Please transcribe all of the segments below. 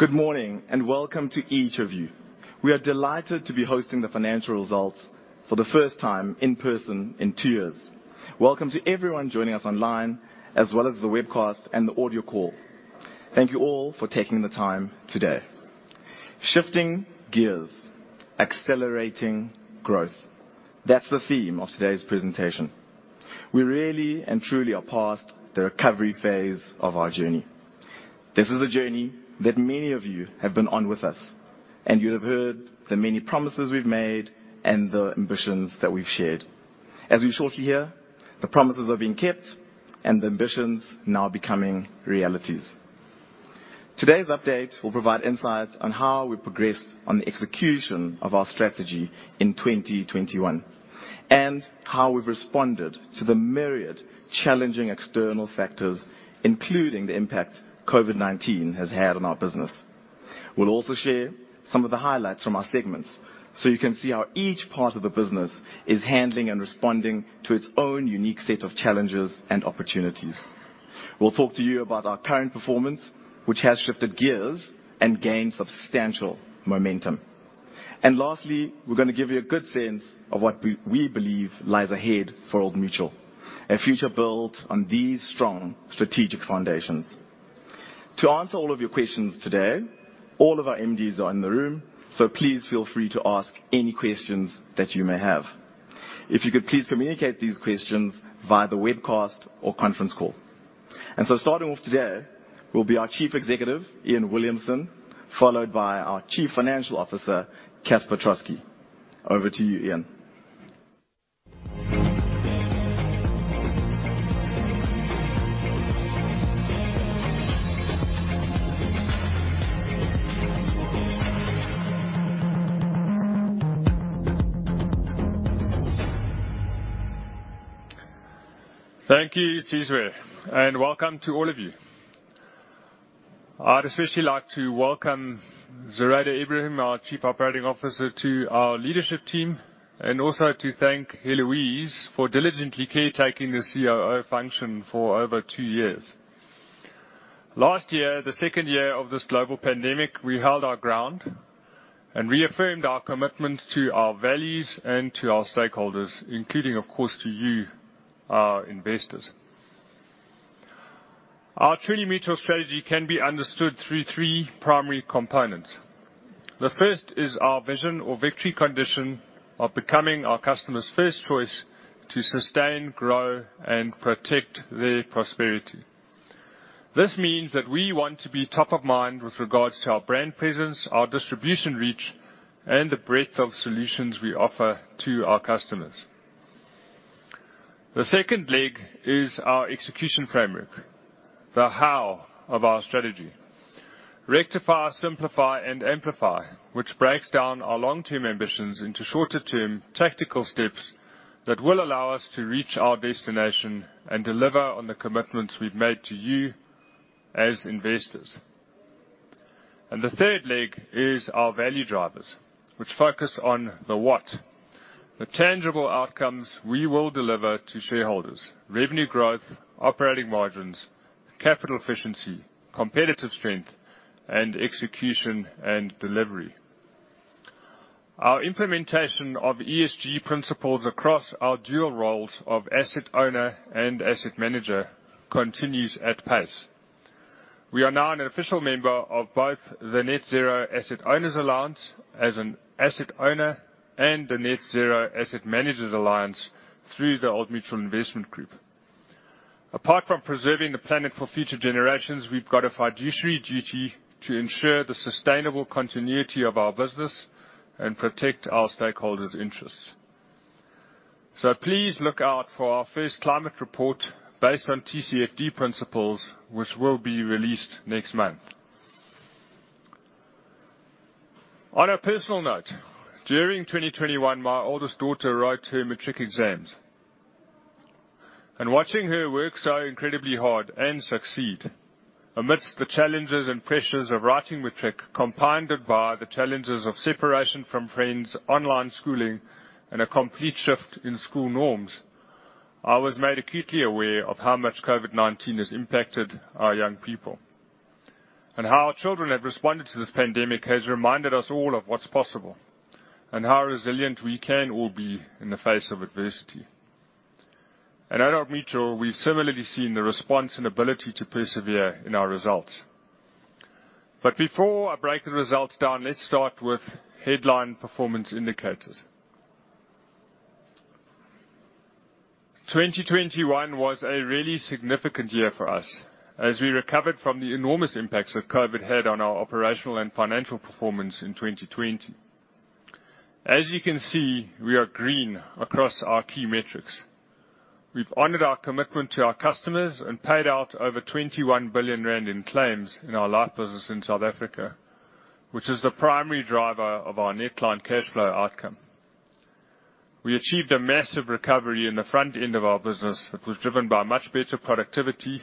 Good morning, and welcome to each of you. We are delighted to be hosting the financial results for the first time in person in two years. Welcome to everyone joining us online, as well as the webcast and the audio call. Thank you all for taking the time today. Shifting gears, accelerating growth. That's the theme of today's presentation. We really and truly are past the recovery phase of our journey. This is a journey that many of you have been on with us, and you'll have heard the many promises we've made and the ambitions that we've shared. As you'll shortly hear, the promises are being kept and the ambitions now becoming realities. Today's update will provide insights on how we progress on the execution of our strategy in 2021, and how we've responded to the myriad challenging external factors, including the impact COVID-19 has had on our business. We'll also share some of the highlights from our segments, so you can see how each part of the business is handling and responding to its own unique set of challenges and opportunities. We'll talk to you about our current performance, which has shifted gears and gained substantial momentum. Lastly, we're gonna give you a good sense of what we believe lies ahead for Old Mutual, a future built on these strong strategic foundations. To answer all of your questions today, all of our MDs are in the room, so please feel free to ask any questions that you may have. If you could please communicate these questions via the webcast or conference call. Starting off today will be our Chief Executive, Iain Williamson, followed by our Chief Financial Officer, Casper Troskie. Over to you, Iain. Thank you, Sizwe, and welcome to all of you. I'd especially like to welcome Zureida Ebrahim, our Chief Operating Officer, to our leadership team, and also to thank Heloise for diligently caretaking the COO function for over two years. Last year, the second year of this global pandemic, we held our ground and reaffirmed our commitment to our values and to our stakeholders, including, of course, to you, our investors. Our Truly Mutual strategy can be understood through three primary components. The first is our vision or victory condition of becoming our customers' first choice to sustain, grow, and protect their prosperity. This means that we want to be top of mind with regards to our brand presence, our distribution reach, and the breadth of solutions we offer to our customers. The second leg is our execution framework, the how of our strategy. Rectify, simplify, and amplify, which breaks down our long-term ambitions into shorter-term tactical steps that will allow us to reach our destination and deliver on the commitments we've made to you as investors. The third leg is our value drivers, which focus on the what, the tangible outcomes we will deliver to shareholders, revenue growth, operating margins, capital efficiency, competitive strength, and execution and delivery. Our implementation of ESG principles across our dual roles of asset owner and asset manager continues at pace. We are now an official member of both the Net-Zero Asset Owner Alliance as an asset owner and the Net Zero Asset Managers initiative through the Old Mutual Investment Group. Apart from preserving the planet for future generations, we've got a fiduciary duty to ensure the sustainable continuity of our business and protect our stakeholders' interests. Please look out for our first climate report based on TCFD principles, which will be released next month. On a personal note, during 2021, my oldest daughter wrote her matric exams. Watching her work so incredibly hard and succeed amidst the challenges and pressures of writing matric, compounded by the challenges of separation from friends, online schooling, and a complete shift in school norms, I was made acutely aware of how much COVID-19 has impacted our young people. How our children have responded to this pandemic has reminded us all of what's possible and how resilient we can all be in the face of adversity. At Old Mutual, we've similarly seen the response and ability to persevere in our results. Before I break the results down, let's start with headline performance indicators. 2021 was a really significant year for us as we recovered from the enormous impacts that COVID had on our operational and financial performance in 2020. As you can see, we are green across our key metrics. We've honored our commitment to our customers and paid out over 21 billion rand in claims in our life business in South Africa, which is the primary driver of our net client cash flow outcome. We achieved a massive recovery in the front end of our business that was driven by much better productivity,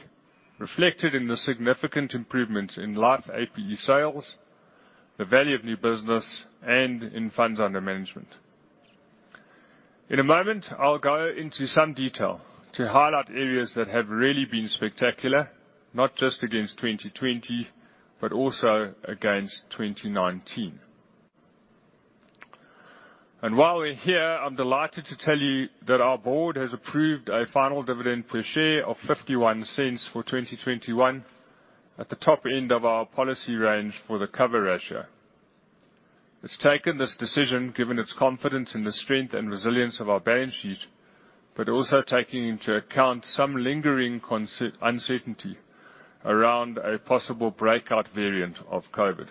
reflected in the significant improvements in life APE sales, the value of new business, and in funds under management. In a moment, I'll go into some detail to highlight areas that have really been spectacular, not just against 2020, but also against 2019. While we're here, I'm delighted to tell you that our board has approved a final dividend per share of 0.51 for 2021 at the top end of our policy range for the cover ratio. It's taken this decision given its confidence in the strength and resilience of our balance sheet, but also taking into account some lingering uncertainty around a possible breakout variant of COVID.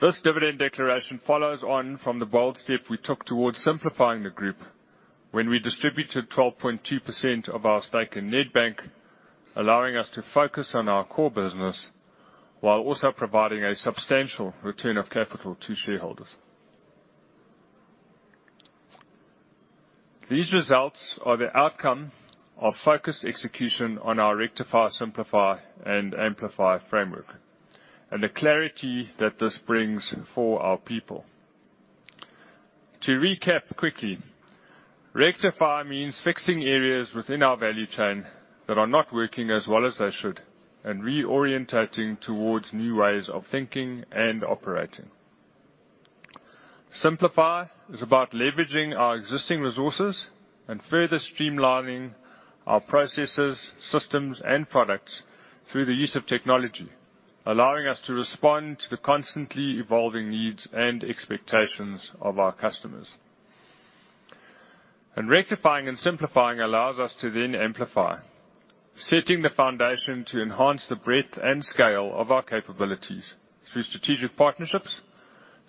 This dividend declaration follows on from the bold step we took towards simplifying the group when we distributed 12.2% of our stake in Nedbank, allowing us to focus on our core business while also providing a substantial return of capital to shareholders. These results are the outcome of focused execution on our rectify, simplify, and amplify framework, and the clarity that this brings for our people. To recap quickly, rectify means fixing areas within our value chain that are not working as well as they should, and re-orienting towards new ways of thinking and operating. Simplify is about leveraging our existing resources and further streamlining our processes, systems, and products through the use of technology, allowing us to respond to the constantly evolving needs and expectations of our customers. Rectifying and simplifying allows us to then amplify, setting the foundation to enhance the breadth and scale of our capabilities through strategic partnerships,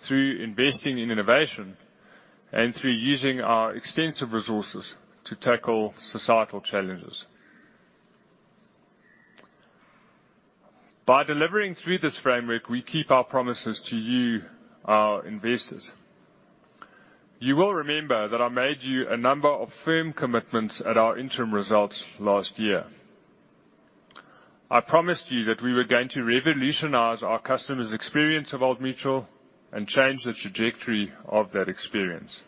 through investing in innovation, and through using our extensive resources to tackle societal challenges. By delivering through this framework, we keep our promises to you, our investors. You will remember that I made you a number of firm commitments at our interim results last year. I promised you that we were going to revolutionize our customers' experience of Old Mutual and change the trajectory of that experience.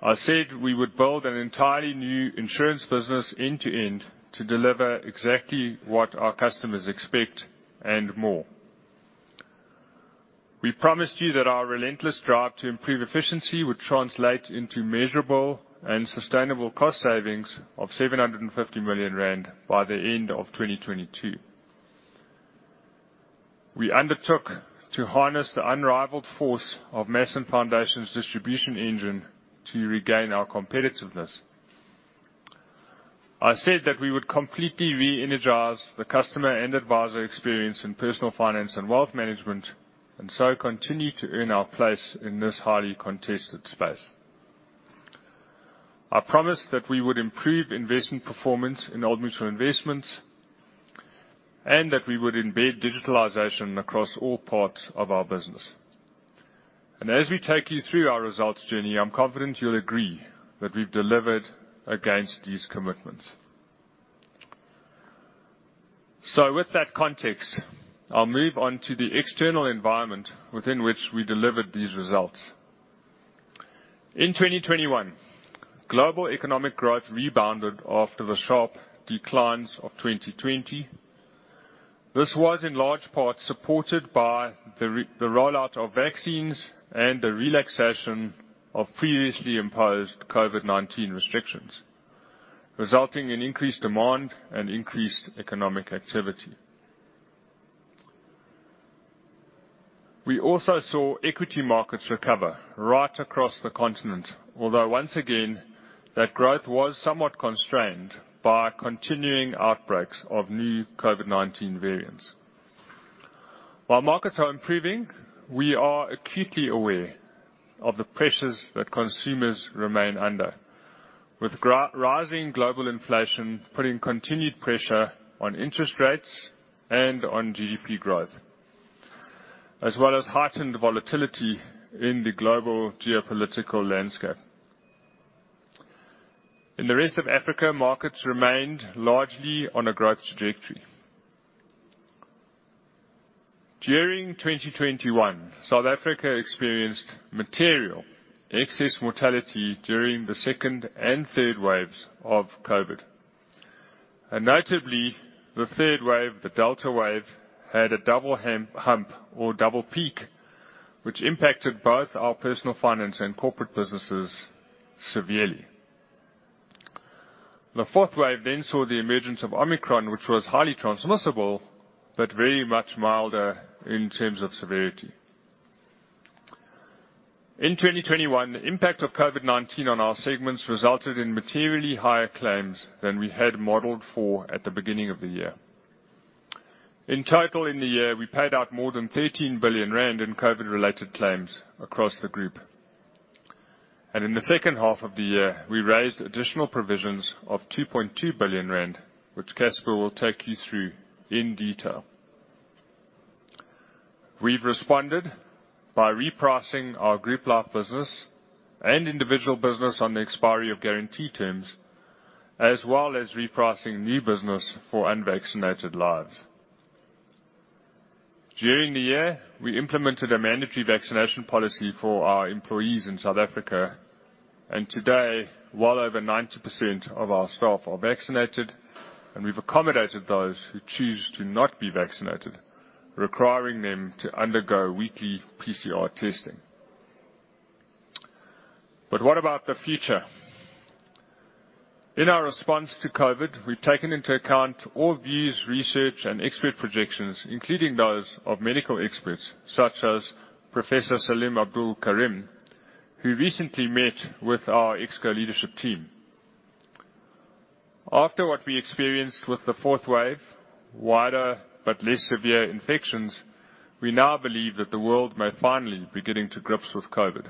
I said we would build an entirely new insurance business end to end to deliver exactly what our customers expect, and more. We promised you that our relentless drive to improve efficiency would translate into measurable and sustainable cost savings of 750 million rand by the end of 2022. We undertook to harness the unrivaled force of Mass & Foundation's distribution engine to regain our competitiveness. I said that we would completely re-energize the customer and advisor experience in Personal Finance and Wealth Management, and so continue to earn our place in this highly contested space. I promised that we would improve investment performance in Old Mutual Investments, and that we would embed digitalization across all parts of our business. As we take you through our results journey, I'm confident you'll agree that we've delivered against these commitments. With that context, I'll move on to the external environment within which we delivered these results. In 2021, global economic growth rebounded after the sharp declines of 2020. This was in large part supported by the rollout of vaccines and the relaxation of previously imposed COVID-19 restrictions, resulting in increased demand and increased economic activity. We also saw equity markets recover right across the continent, although once again, that growth was somewhat constrained by continuing outbreaks of new COVID-19 variants. While markets are improving, we are acutely aware of the pressures that consumers remain under, with rising global inflation putting continued pressure on interest rates and on GDP growth, as well as heightened volatility in the global geopolitical landscape. In the Rest of Africa, markets remained largely on a growth trajectory. During 2021, South Africa experienced material excess mortality during the second and third waves of COVID. Notably, the third wave, the Delta wave, had a double hump or double peak, which impacted both our Personal Finance and Corporate businesses severely. The fourth wave saw the emergence of Omicron, which was highly transmissible, but very much milder in terms of severity. In 2021, the impact of COVID-19 on our segments resulted in materially higher claims than we had modeled for at the beginning of the year. In total, in the year, we paid out more than 13 billion rand in COVID-related claims across the group. In the second half of the year, we raised additional provisions of 2.2 billion rand, which Casper will take you through in detail. We've responded by repricing our group life business and individual business on the expiry of guarantee terms, as well as repricing new business for unvaccinated lives. During the year, we implemented a mandatory vaccination policy for our employees in South Africa. Today, well over 90% of our staff are vaccinated, and we've accommodated those who choose to not be vaccinated, requiring them to undergo weekly PCR testing. What about the future? In our response to COVID, we've taken into account all views, research and expert projections, including those of medical experts such as Professor Salim Abdool Karim, who recently met with our Exco leadership team. After what we experienced with the fourth wave, wider but less severe infections, we now believe that the world may finally be getting to grips with COVID,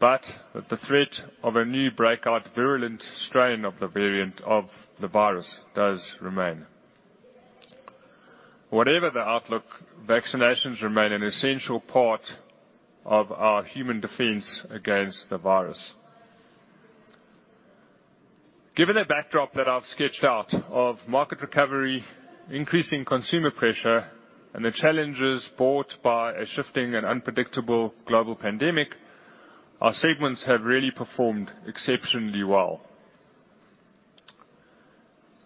but that the threat of a new breakout, virulent strain of the variant of the virus does remain. Whatever the outlook, vaccinations remain an essential part of our human defense against the virus. Given the backdrop that I've sketched out of market recovery, increasing consumer pressure, and the challenges brought by a shifting and unpredictable global pandemic, our segments have really performed exceptionally well.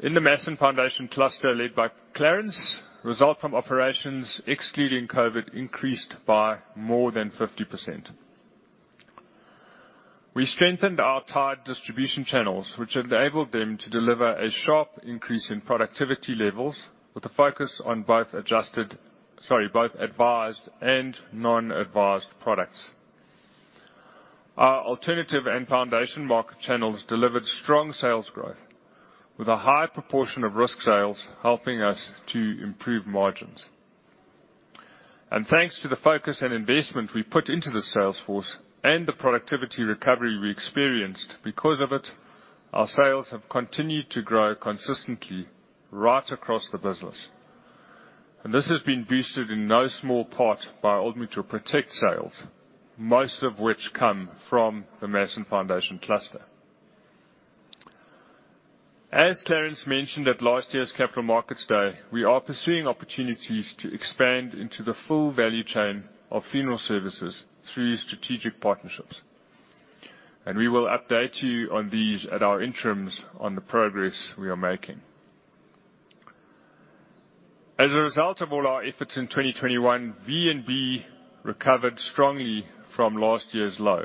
In the Mass and Foundation Cluster led by Clarence, result from operations excluding COVID increased by more than 50%. We strengthened our tied distribution channels, which enabled them to deliver a sharp increase in productivity levels with a focus on both advised and non-advised products. Our alternative and foundation market channels delivered strong sales growth with a high proportion of risk sales helping us to improve margins. Thanks to the focus and investment we put into the sales force and the productivity recovery we experienced because of it, our sales have continued to grow consistently right across the business. This has been boosted in no small part by Old Mutual Protect sales, most of which come from the Mass & Foundation cluster. As Clarence mentioned at last year's Capital Markets Day, we are pursuing opportunities to expand into the full value chain of funeral services through strategic partnerships, and we will update you on these at our interims on the progress we are making. As a result of all our efforts in 2021, VNB recovered strongly from last year's low,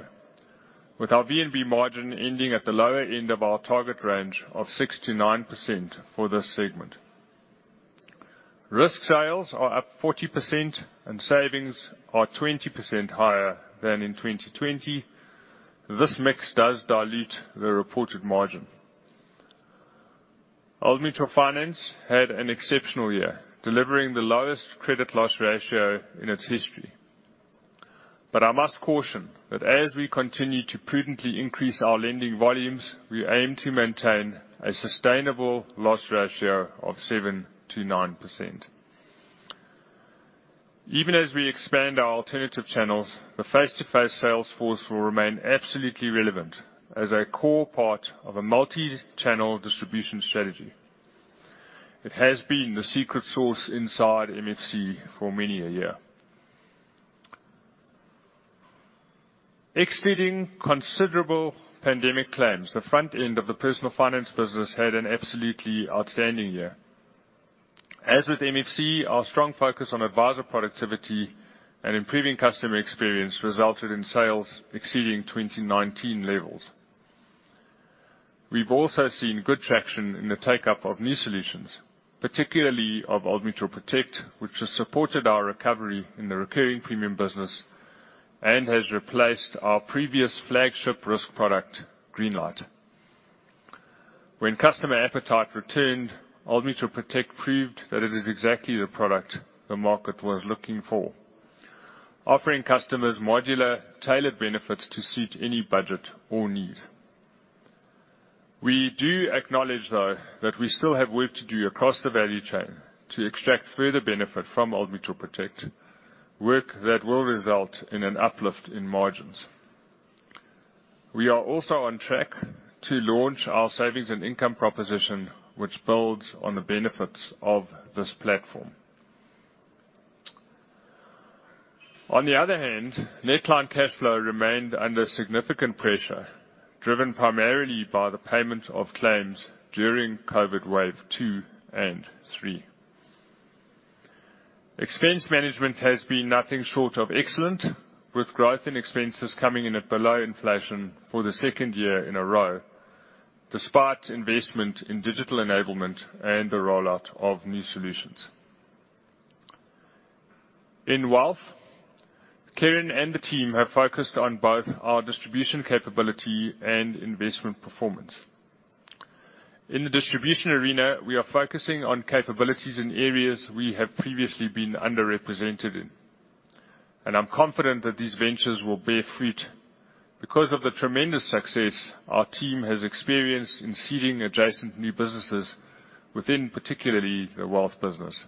with our VNB margin ending at the lower end of our target range of 6%-9% for this segment. Risk sales are up 40% and savings are 20% higher than in 2020. This mix does dilute the reported margin. Old Mutual Finance had an exceptional year, delivering the lowest credit loss ratio in its history. I must caution that as we continue to prudently increase our lending volumes, we aim to maintain a sustainable loss ratio of 7%-9%. Even as we expand our alternative channels, the face-to-face sales force will remain absolutely relevant as a core part of a multi-channel distribution strategy. It has been the secret source inside MFC for many a year. Exceeding considerable pandemic claims, the front end of the Personal Finance business had an absolutely outstanding year. As with MFC, our strong focus on advisor productivity and improving customer experience resulted in sales exceeding 2019 levels. We've also seen good traction in the take-up of new solutions, particularly of Old Mutual Protect, which has supported our recovery in the recurring premium business and has replaced our previous flagship risk product, Greenlight. When customer appetite returned, Old Mutual Protect proved that it is exactly the product the market was looking for, offering customers modular, tailored benefits to suit any budget or need. We do acknowledge, though, that we still have work to do across the value chain to extract further benefit from Old Mutual Protect, work that will result in an uplift in margins. We are also on track to launch our savings and income proposition, which builds on the benefits of this platform. On the other hand, net client cash flow remained under significant pressure, driven primarily by the payment of claims during COVID wave 2 and 3. Expense management has been nothing short of excellent, with growth in expenses coming in at below inflation for the second year in a row, despite investment in digital enablement and the rollout of new solutions. In Wealth, Kerrin and the team have focused on both our distribution capability and investment performance. In the distribution arena, we are focusing on capabilities in areas we have previously been underrepresented in, and I'm confident that these ventures will bear fruit because of the tremendous success our team has experienced in seeding adjacent new businesses within particularly the wealth business.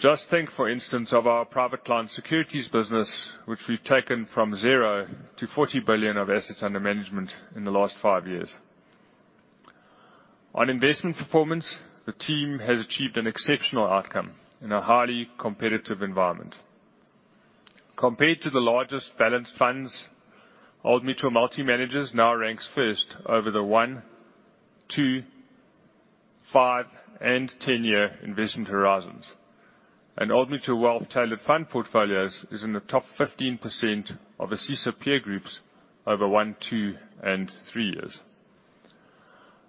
Just think, for instance, of our private client securities business, which we've taken from 0 to 40 billion of assets under management in the last five years. On investment performance, the team has achieved an exceptional outcome in a highly competitive environment. Compared to the largest balanced funds, Old Mutual Multi-Managers now ranks first over the 1-, 2-, 5-, and 10-year investment horizons. Old Mutual Wealth tailored fund portfolios is in the top 15% of ASISA peer groups over one, two, and three years.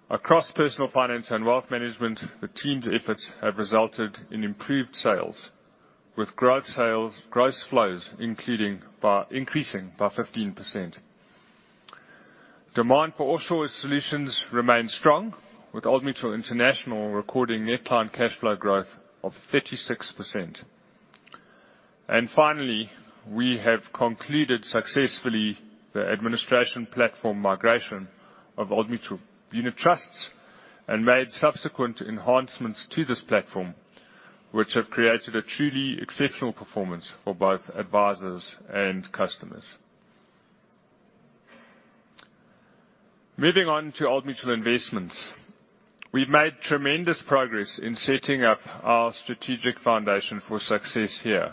Across Personal Finance and Wealth Management, the team's efforts have resulted in improved sales, with gross sales, gross flows increasing by 15%. Demand for offshore solutions remains strong, with Old Mutual International recording net client cash flow growth of 36%. Finally, we have concluded successfully the administration platform migration of Old Mutual unit trusts and made subsequent enhancements to this platform, which have created a truly exceptional performance for both advisors and customers. Moving on to Old Mutual Investments. We've made tremendous progress in setting up our strategic foundation for success here.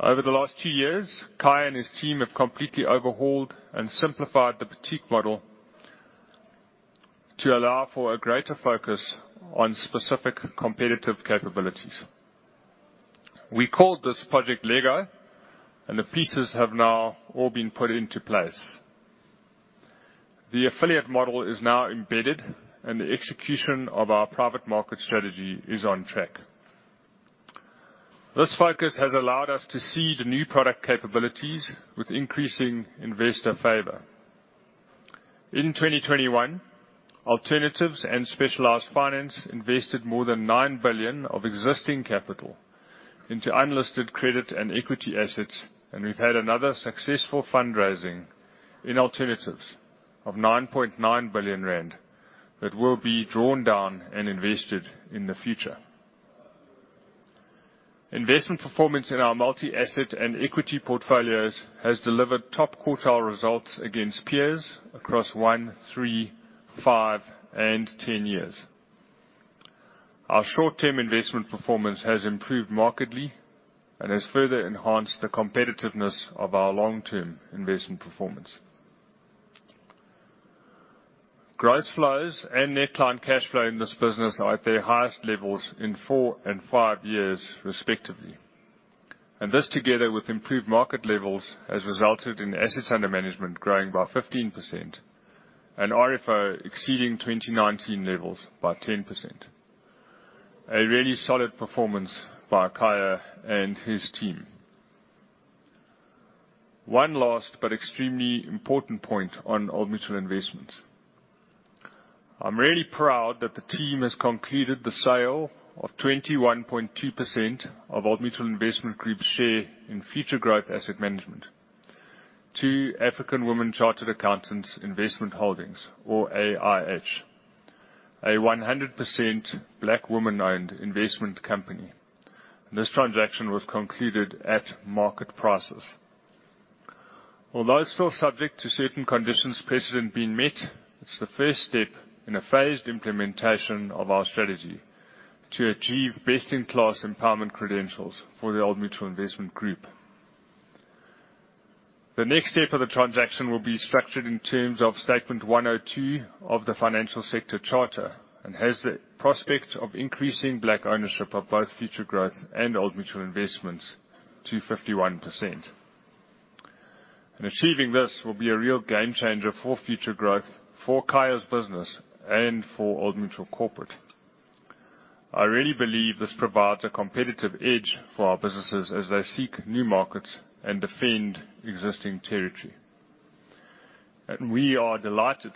Over the last two years, Khaya and his team have completely overhauled and simplified the boutique model to allow for a greater focus on specific competitive capabilities. We called this Project Lego, and the pieces have now all been put into place. The affiliate model is now embedded, and the execution of our private market strategy is on track. This focus has allowed us to seed new product capabilities with increasing investor favor. In 2021, alternatives and specialized finance invested more than 9 billion of existing capital into unlisted credit and equity assets, and we've had another successful fundraising in alternatives of 9.9 billion rand that will be drawn down and invested in the future. Investment performance in our multi-asset and equity portfolios has delivered top quartile results against peers across one, three, five, and 10 years. Our short-term investment performance has improved markedly and has further enhanced the competitiveness of our long-term investment performance. Gross flows and net client cash flow in this business are at their highest levels in four and five years, respectively. This, together with improved market levels, has resulted in assets under management growing by 15% and RFO exceeding 2019 levels by 10%. A really solid performance by Khaya and his team. One last but extremely important point on Old Mutual Investments. I'm really proud that the team has concluded the sale of 21.2% of Old Mutual Investment Group's share in Futuregrowth Asset Management to AWCA Investment Holdings, or AIH, a 100% black woman-owned investment company. This transaction was concluded at market prices. Although it's still subject to certain conditions precedent being met, it's the first step in a phased implementation of our strategy to achieve best-in-class empowerment credentials for the Old Mutual Investment Group. The next step of the transaction will be structured in terms of Statement 102 of the Financial Sector Charter and has the prospect of increasing black ownership of both Futuregrowth and Old Mutual Investments to 51%. Achieving this will be a real game changer for Futuregrowth, for Kaya's business, and for Old Mutual Corporate. I really believe this provides a competitive edge for our businesses as they seek new markets and defend existing territory. We are delighted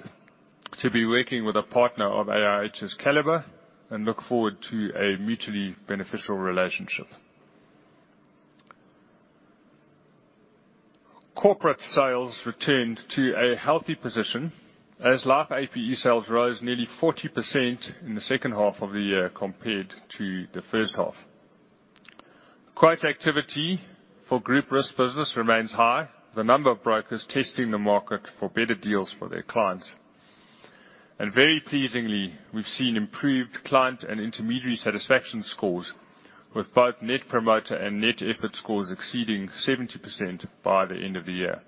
to be working with a partner of AIH's caliber and look forward to a mutually beneficial relationship. Corporate sales returned to a healthy position as life APE sales rose nearly 40% in the second half of the year compared to the first half. Quote activity for group risk business remains high, with a number of brokers testing the market for better deals for their clients. Very pleasingly, we've seen improved client and intermediary satisfaction scores, with both net promoter and net effort scores exceeding 70% by the end of the year.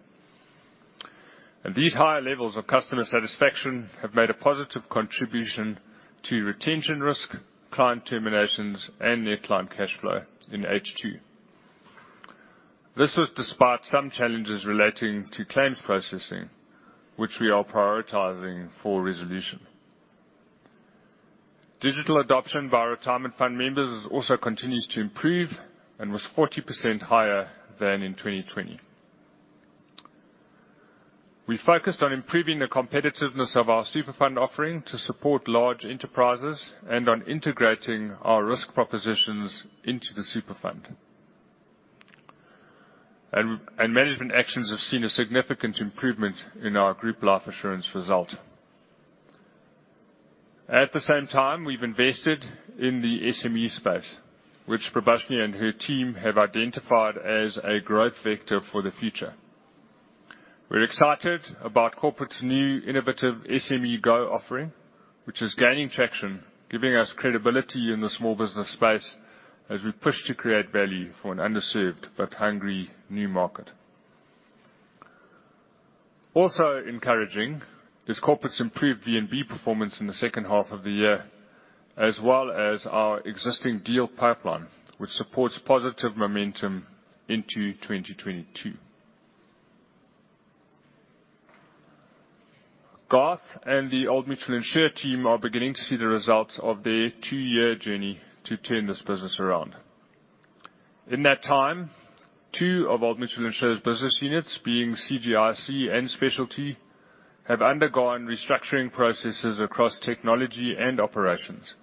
These higher levels of customer satisfaction have made a positive contribution to retention risk, client terminations, and net client cash flow in H2. This was despite some challenges relating to claims processing, which we are prioritizing for resolution. Digital adoption by retirement fund members also continues to improve and was 40% higher than in 2020. We focused on improving the competitiveness of our super fund offering to support large enterprises and on integrating our risk propositions into the super fund. Management actions have seen a significant improvement in our group life assurance result. At the same time, we've invested in the SME space, which Prabashini and her team have identified as a growth vector for the future. We're excited about Corporate's new innovative SME Go offering, which is gaining traction, giving us credibility in the small business space as we push to create value for an underserved but hungry new market. Also encouraging is Corporate's improved VNB performance in the second half of the year, as well as our existing deal pipeline, which supports positive momentum into 2022. Garth and the Old Mutual Insure team are beginning to see the results of their two-year journey to turn this business around. In that time, two of Old Mutual Insure's business units, being CGIC and Specialty, have undergone restructuring processes across technology and operations,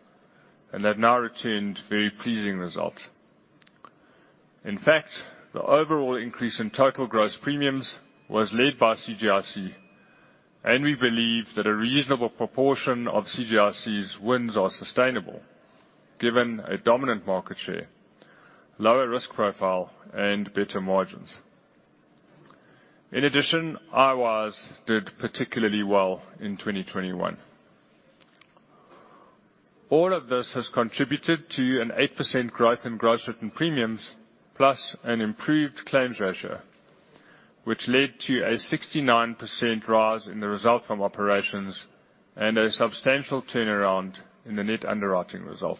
and have now returned very pleasing results. In fact, the overall increase in total gross premiums was led by CGIC, and we believe that a reasonable proportion of CGIC's wins are sustainable, given a dominant market share, lower risk profile, and better margins. In addition, iWYZE did particularly well in 2021. All of this has contributed to an 8% growth in gross written premiums, plus an improved claims ratio, which led to a 69% rise in the result from operations and a substantial turnaround in the net underwriting result.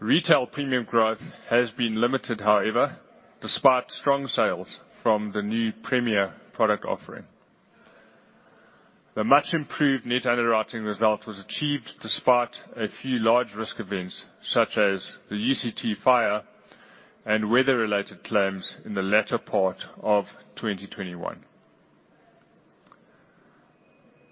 Retail premium growth has been limited, however, despite strong sales from the new Premier product offering. The much-improved net underwriting result was achieved despite a few large risk events, such as the UCT fire and weather-related claims in the latter part of 2021.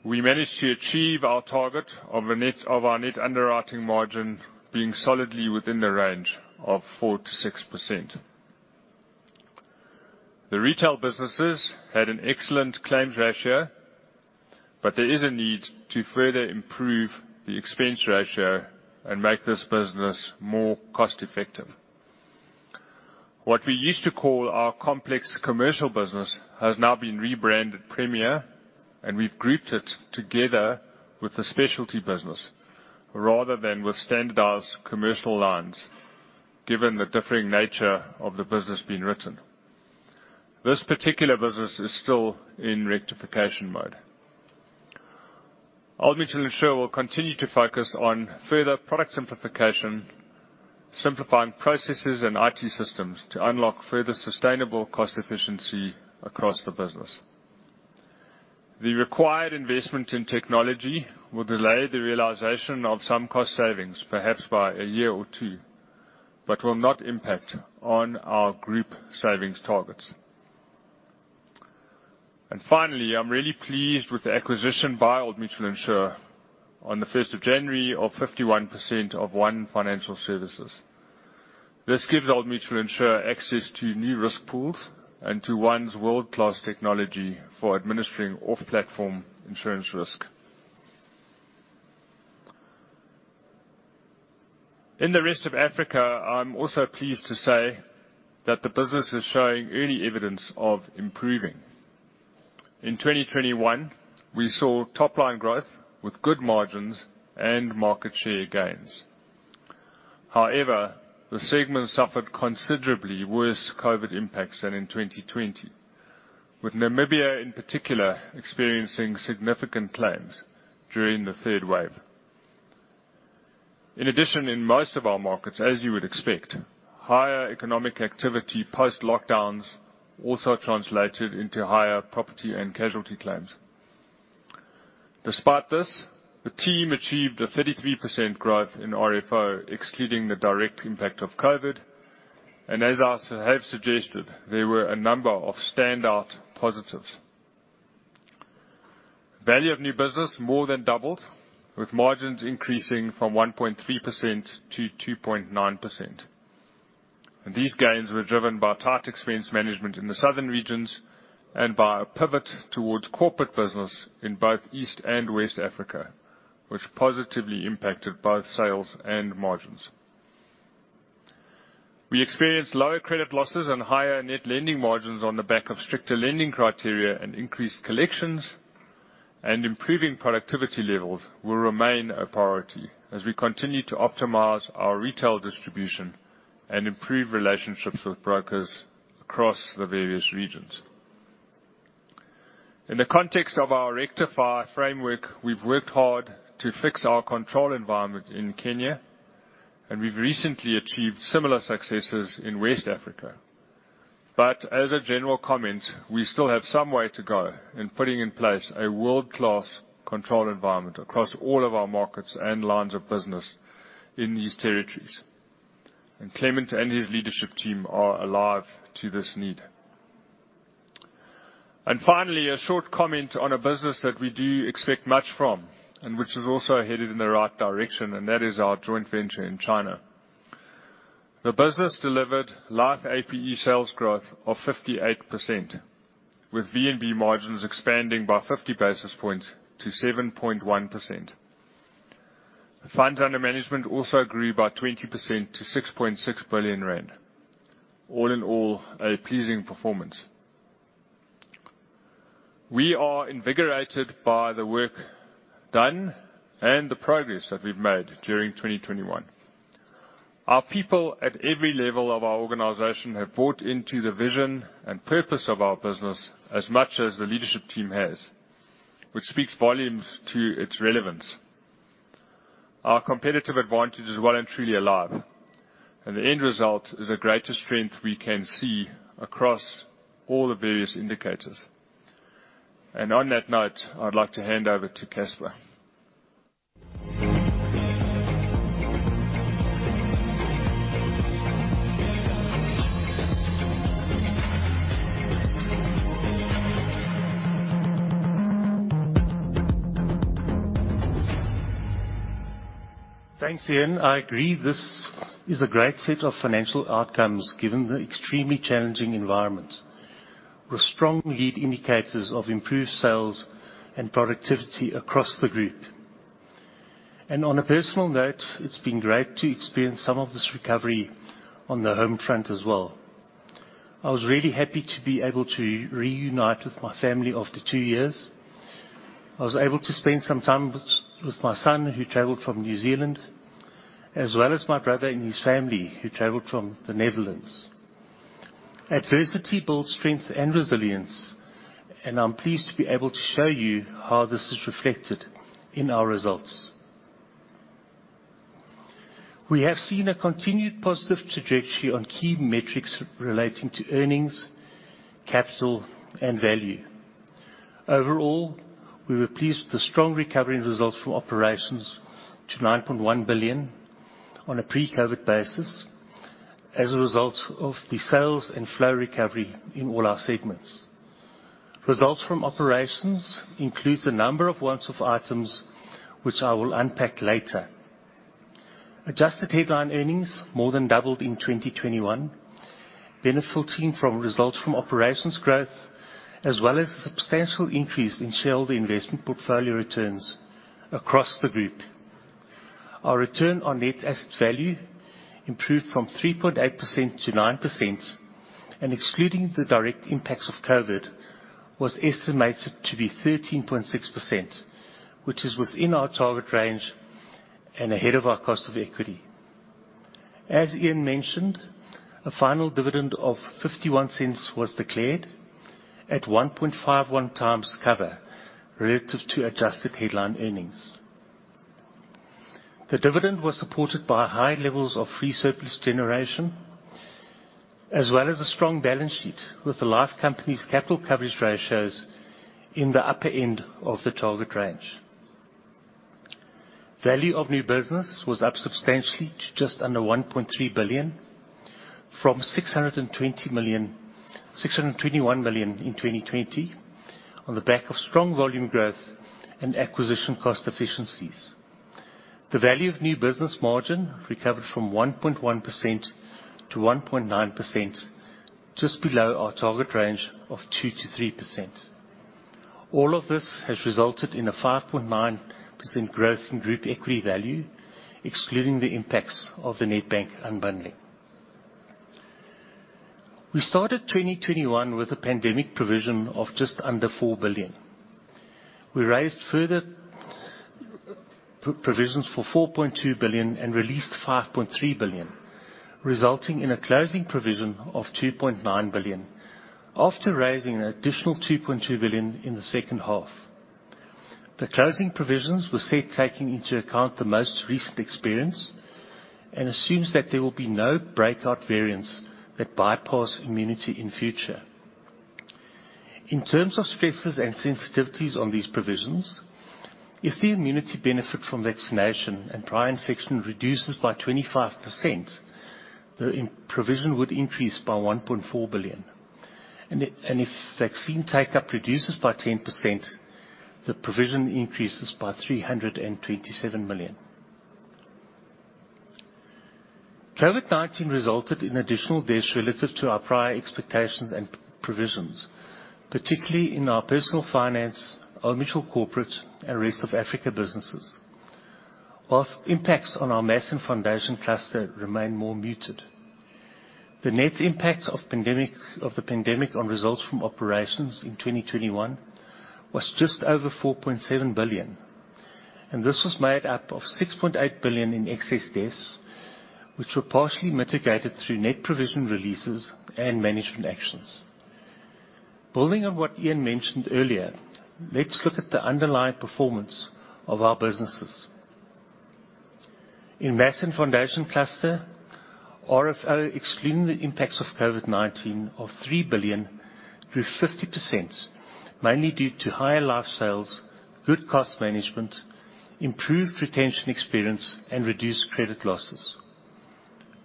We managed to achieve our target of our net underwriting margin being solidly within the range of 4%-6%. The retail businesses had an excellent claims ratio, but there is a need to further improve the expense ratio and make this business more cost-effective. What we used to call our complex commercial business has now been rebranded Premier, and we've grouped it together with the Specialty business rather than with standardized commercial lines, given the differing nature of the business being written. This particular business is still in rectification mode. Old Mutual Insure will continue to focus on further product simplification, simplifying processes and IT systems to unlock further sustainable cost efficiency across the business. The required investment in technology will delay the realization of some cost savings, perhaps by a year or two, but will not impact on our group savings targets. Finally, I'm really pleased with the acquisition by Old Mutual Insure on the first of January of 51% of ONE Financial Services. This gives Old Mutual Insure access to new risk pools and to ONE's world-class technology for administering off-platform insurance risk. In the Rest of Africa, I'm also pleased to say that the business is showing early evidence of improving. In 2021, we saw top-line growth with good margins and market share gains. However, the segment suffered considerably worse COVID impacts than in 2020, with Namibia, in particular, experiencing significant claims during the third wave. In addition, in most of our markets, as you would expect, higher economic activity post-lockdowns also translated into higher property and casualty claims. Despite this, the team achieved a 33% growth in RFO, excluding the direct impact of COVID. As I have suggested, there were a number of standout positives. Value of new business more than doubled, with margins increasing from 1.3% to 2.9%. These gains were driven by tight expense management in the southern regions and by a pivot towards corporate business in both East and West Africa, which positively impacted both sales and margins. We experienced lower credit losses and higher net lending margins on the back of stricter lending criteria and increased collections. Improving productivity levels will remain a priority as we continue to optimize our retail distribution and improve relationships with brokers across the various regions. In the context of our Rectify framework, we've worked hard to fix our control environment in Kenya, and we've recently achieved similar successes in West Africa. As a general comment, we still have some way to go in putting in place a world-class control environment across all of our markets and lines of business in these territories. Clement and his leadership team are alive to this need. Finally, a short comment on a business that we do expect much from, and which is also headed in the right direction, and that is our joint venture in China. The business delivered Life APE sales growth of 58%, with VNB margins expanding by 50 basis points to 7.1%. Funds under management also grew by 20% to 6.6 billion rand. All in all, a pleasing performance. We are invigorated by the work done and the progress that we've made during 2021. Our people at every level of our organization have bought into the vision and purpose of our business as much as the leadership team has, which speaks volumes to its relevance. Our competitive advantage is well and truly alive, and the end result is the greatest strength we can see across all the various indicators. On that note, I'd like to hand over to Casper. Thanks, Iain. I agree, this is a great set of financial outcomes given the extremely challenging environment, with strong lead indicators of improved sales and productivity across the group. On a personal note, it's been great to experience some of this recovery on the home front as well. I was really happy to be able to reunite with my family after two years. I was able to spend some time with my son who traveled from New Zealand, as well as my brother and his family who traveled from the Netherlands. Adversity builds strength and resilience, and I'm pleased to be able to show you how this is reflected in our results. We have seen a continued positive trajectory on key metrics relating to earnings, capital, and value. Overall, we were pleased with the strong recovery results from operations to 9.1 billion on a pre-COVID basis as a result of the sales and flow recovery in all our segments. Results from operations includes a number of one-off items which I will unpack later. Adjusted headline earnings more than doubled in 2021, benefiting from results from operations growth, as well as a substantial increase in shareholder investment portfolio returns across the group. Our return on net asset value improved from 3.8% to 9%, and excluding the direct impacts of COVID, was estimated to be 13.6%, which is within our target range and ahead of our cost of equity. As Iain mentioned, a final dividend of 0.51 was declared at 1.51x cover relative to adjusted headline earnings. The dividend was supported by high levels of free surplus generation, as well as a strong balance sheet with the life company's capital coverage ratios in the upper end of the target range. Value of new business was up substantially to just under 1.3 billion from 621 million in 2020, on the back of strong volume growth and acquisition cost efficiencies. The value of new business margin recovered from 1.1% to 1.9%, just below our target range of 2%-3%. All of this has resulted in a 5.9% growth in group equity value, excluding the impacts of the Nedbank unbundling. We started 2021 with a pandemic provision of just under 4 billion. We raised further provisions for 4.2 billion and released 5.3 billion, resulting in a closing provision of 2.9 billion after raising an additional 2.2 billion in the second half. The closing provisions were set taking into account the most recent experience and assumes that there will be no breakthrough variants that bypass immunity in future. In terms of stresses and sensitivities on these provisions, if the immunity benefit from vaccination and prior infection reduces by 25%, the provision would increase by 1.4 billion. If vaccine take-up reduces by 10%, the provision increases by 327 million. COVID-19 resulted in additional deaths relative to our prior expectations and provisions, particularly in our Personal Finance, Old Mutual Corporate, and Rest of Africa businesses, while impacts on our Mass & Foundation Cluster remain more muted. The net impact of the pandemic on results from operations in 2021 was just over 4.7 billion, and this was made up of 6.8 billion in excess deaths, which were partially mitigated through net provision releases and management actions. Building on what Iain mentioned earlier, let's look at the underlying performance of our businesses. In Mass & Foundation Cluster, RFO, excluding the impacts of COVID-19 of 3 billion, grew 50%, mainly due to higher life sales, good cost management, improved retention experience, and reduced credit losses.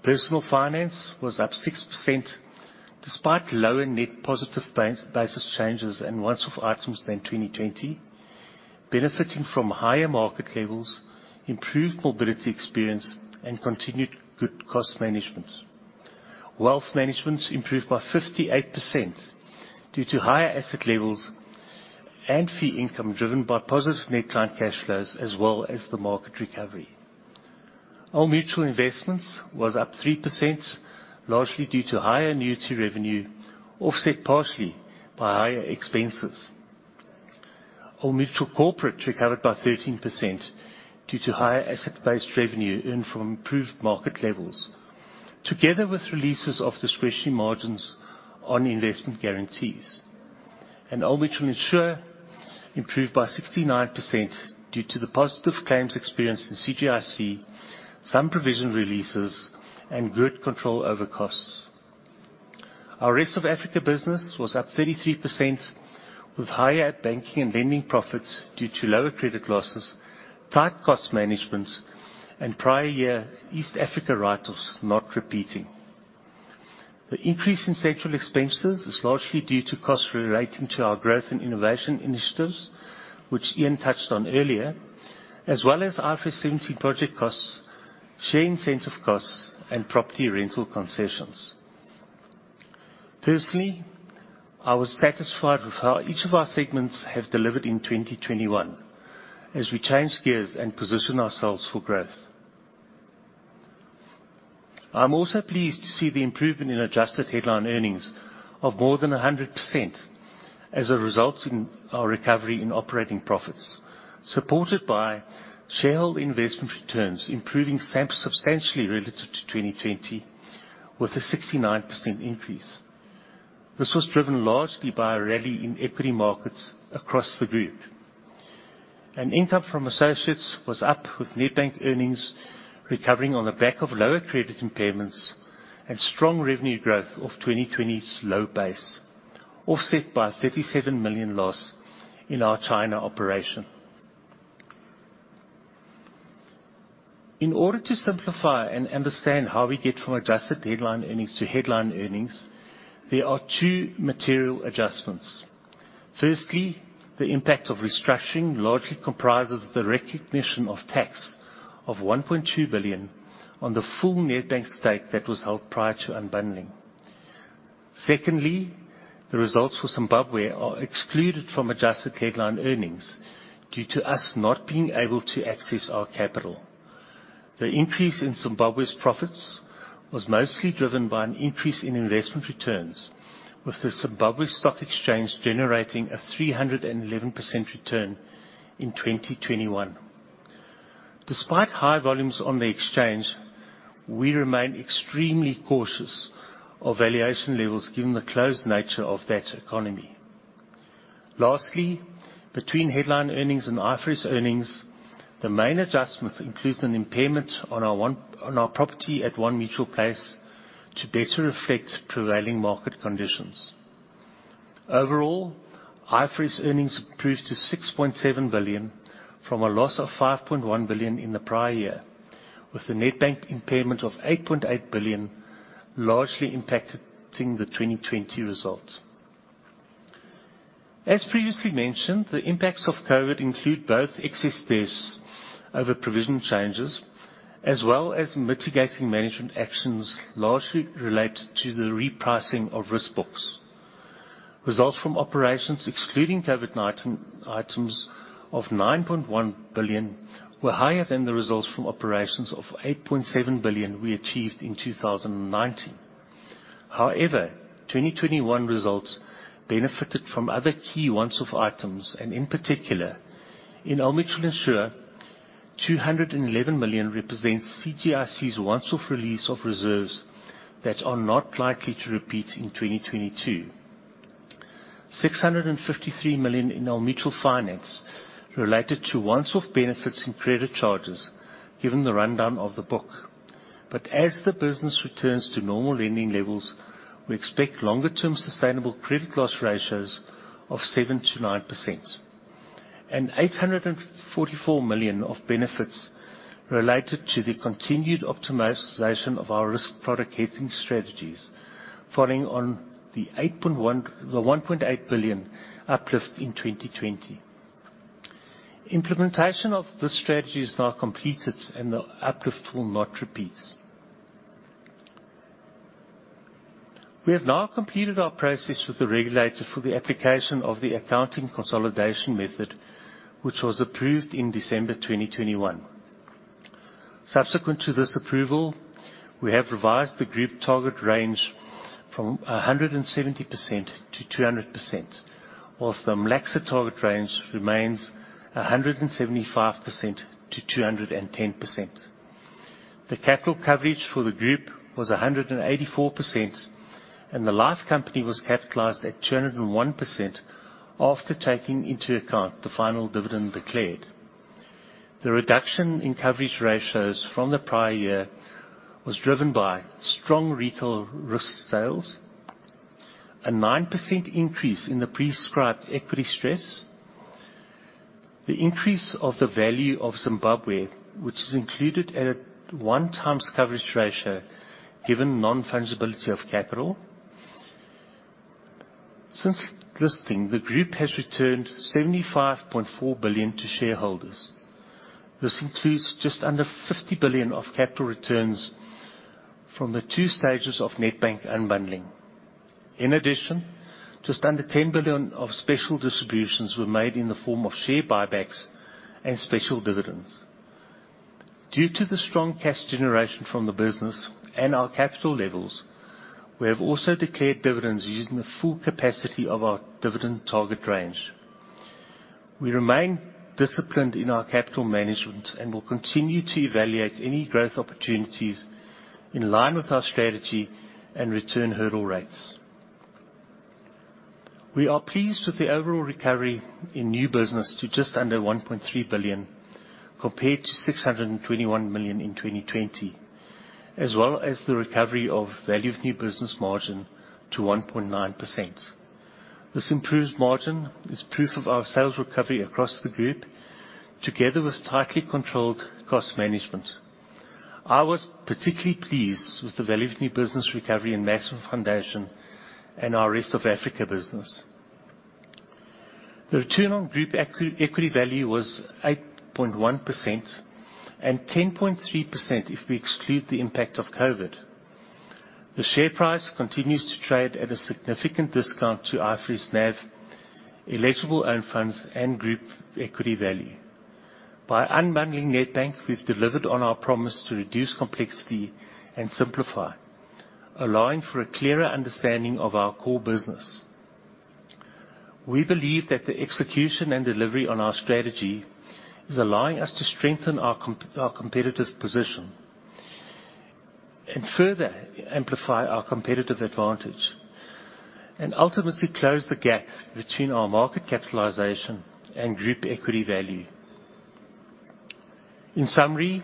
Personal Finance was up 6%. Despite lower net positive basis changes and once-off items than 2020, benefiting from higher market levels, improved morbidity experience, and continued good cost management. Wealth Management improved by 58% due to higher asset levels and fee income driven by positive net client cash flows, as well as the market recovery. Old Mutual Investments was up 3%, largely due to higher annuity revenue, offset partially by higher expenses. Old Mutual Corporate recovered by 13% due to higher asset-based revenue earned from improved market levels, together with releases of discretionary margins on investment guarantees. Old Mutual Insure improved by 69% due to the positive claims experience in CGIC, some provision releases, and good control over costs. Our Rest of Africa business was up 33% with higher banking and lending profits due to lower credit losses, tight cost management, and prior year East Africa write-offs not repeating. The increase in central expenses is largely due to costs relating to our growth and innovation initiatives, which Iain touched on earlier, as well as IFRS 17 project costs, share incentive costs, and property rental concessions. Personally, I was satisfied with how each of our segments have delivered in 2021 as we change gears and position ourselves for growth. I'm also pleased to see the improvement in adjusted headline earnings of more than 100% as a result in our recovery in operating profits, supported by shareholder investment returns, improving substantially relative to 2020 with a 69% increase. This was driven largely by a rally in equity markets across the group. Income from associates was up with Nedbank earnings recovering on the back of lower credit impairments and strong revenue growth of 2020's low base, offset by a 37 million loss in our China operation. In order to simplify and understand how we get from adjusted headline earnings to headline earnings, there are two material adjustments. Firstly, the impact of restructuring largely comprises the recognition of tax of 1.2 billion on the full Nedbank stake that was held prior to unbundling. Secondly, the results for Zimbabwe are excluded from adjusted headline earnings due to us not being able to access our capital. The increase in Zimbabwe's profits was mostly driven by an increase in investment returns, with the Zimbabwe Stock Exchange generating a 311% return in 2021. Despite high volumes on the exchange, we remain extremely cautious of valuation levels given the closed nature of that economy. Lastly, between headline earnings and IFRS earnings, the main adjustments includes an impairment on our property at One Mutual Place to better reflect prevailing market conditions. Overall, IFRS earnings improved to 6.7 billion from a loss of 5.1 billion in the prior year, with the Nedbank impairment of 8.8 billion largely impacting the 2020 results. As previously mentioned, the impacts of COVID include both excess deaths over provision changes, as well as mitigating management actions largely related to the repricing of risk books. Results from operations excluding COVID-19 items of 9.1 billion were higher than the results from operations of 8.7 billion we achieved in 2019. However, 2021 results benefited from other key once-off items, and in particular, in Old Mutual Insure, 211 million represents CGIC's once off release of reserves that are not likely to repeat in 2022. 653 million in Old Mutual Finance related to once-off benefits and credit charges given the rundown of the book. As the business returns to normal lending levels, we expect longer-term sustainable credit loss ratios of 7%-9%. 844 million of benefits related to the continued optimization of our risk product hedging strategies, following on the 1.8 billion uplift in 2020. Implementation of this strategy is now completed and the uplift will not repeat. We have now completed our process with the regulator for the application of the accounting consolidation method, which was approved in December 2021. Subsequent to this approval, we have revised the group target range from 170% to 200%, while the MLCSA target range remains 175% to 210%. The capital coverage for the group was 184%, and the life company was capitalized at 201% after taking into account the final dividend declared. The reduction in coverage ratios from the prior year was driven by strong retail risk sales, a 9% increase in the prescribed equity stress. The increase of the value of Zimbabwe, which is included at a 1x coverage ratio, given non-fungibility of capital. Since listing, the group has returned 75.4 billion to shareholders. This includes just under 50 billion of capital returns from the two stages of Nedbank unbundling. In addition, just under 10 billion of special distributions were made in the form of share buybacks and special dividends. Due to the strong cash generation from the business and our capital levels, we have also declared dividends using the full capacity of our dividend target range. We remain disciplined in our capital management and will continue to evaluate any growth opportunities in line with our strategy and return hurdle rates. We are pleased with the overall recovery in new business to just under 1.3 billion, compared to 621 million in 2020, as well as the recovery of value of new business margin to 1.9%. This improved margin is proof of our sales recovery across the group, together with tightly controlled cost management. I was particularly pleased with the value of new business recovery in Mass and Foundation and our Rest of Africa business. The return on group equity value was 8.1% and 10.3% if we exclude the impact of COVID. The share price continues to trade at a significant discount to IFRS NAV, eligible own funds and group equity value. By unbundling Nedbank, we've delivered on our promise to reduce complexity and simplify, allowing for a clearer understanding of our core business. We believe that the execution and delivery on our strategy is allowing us to strengthen our competitive position and further amplify our competitive advantage, and ultimately close the gap between our market capitalization and group equity value. In summary,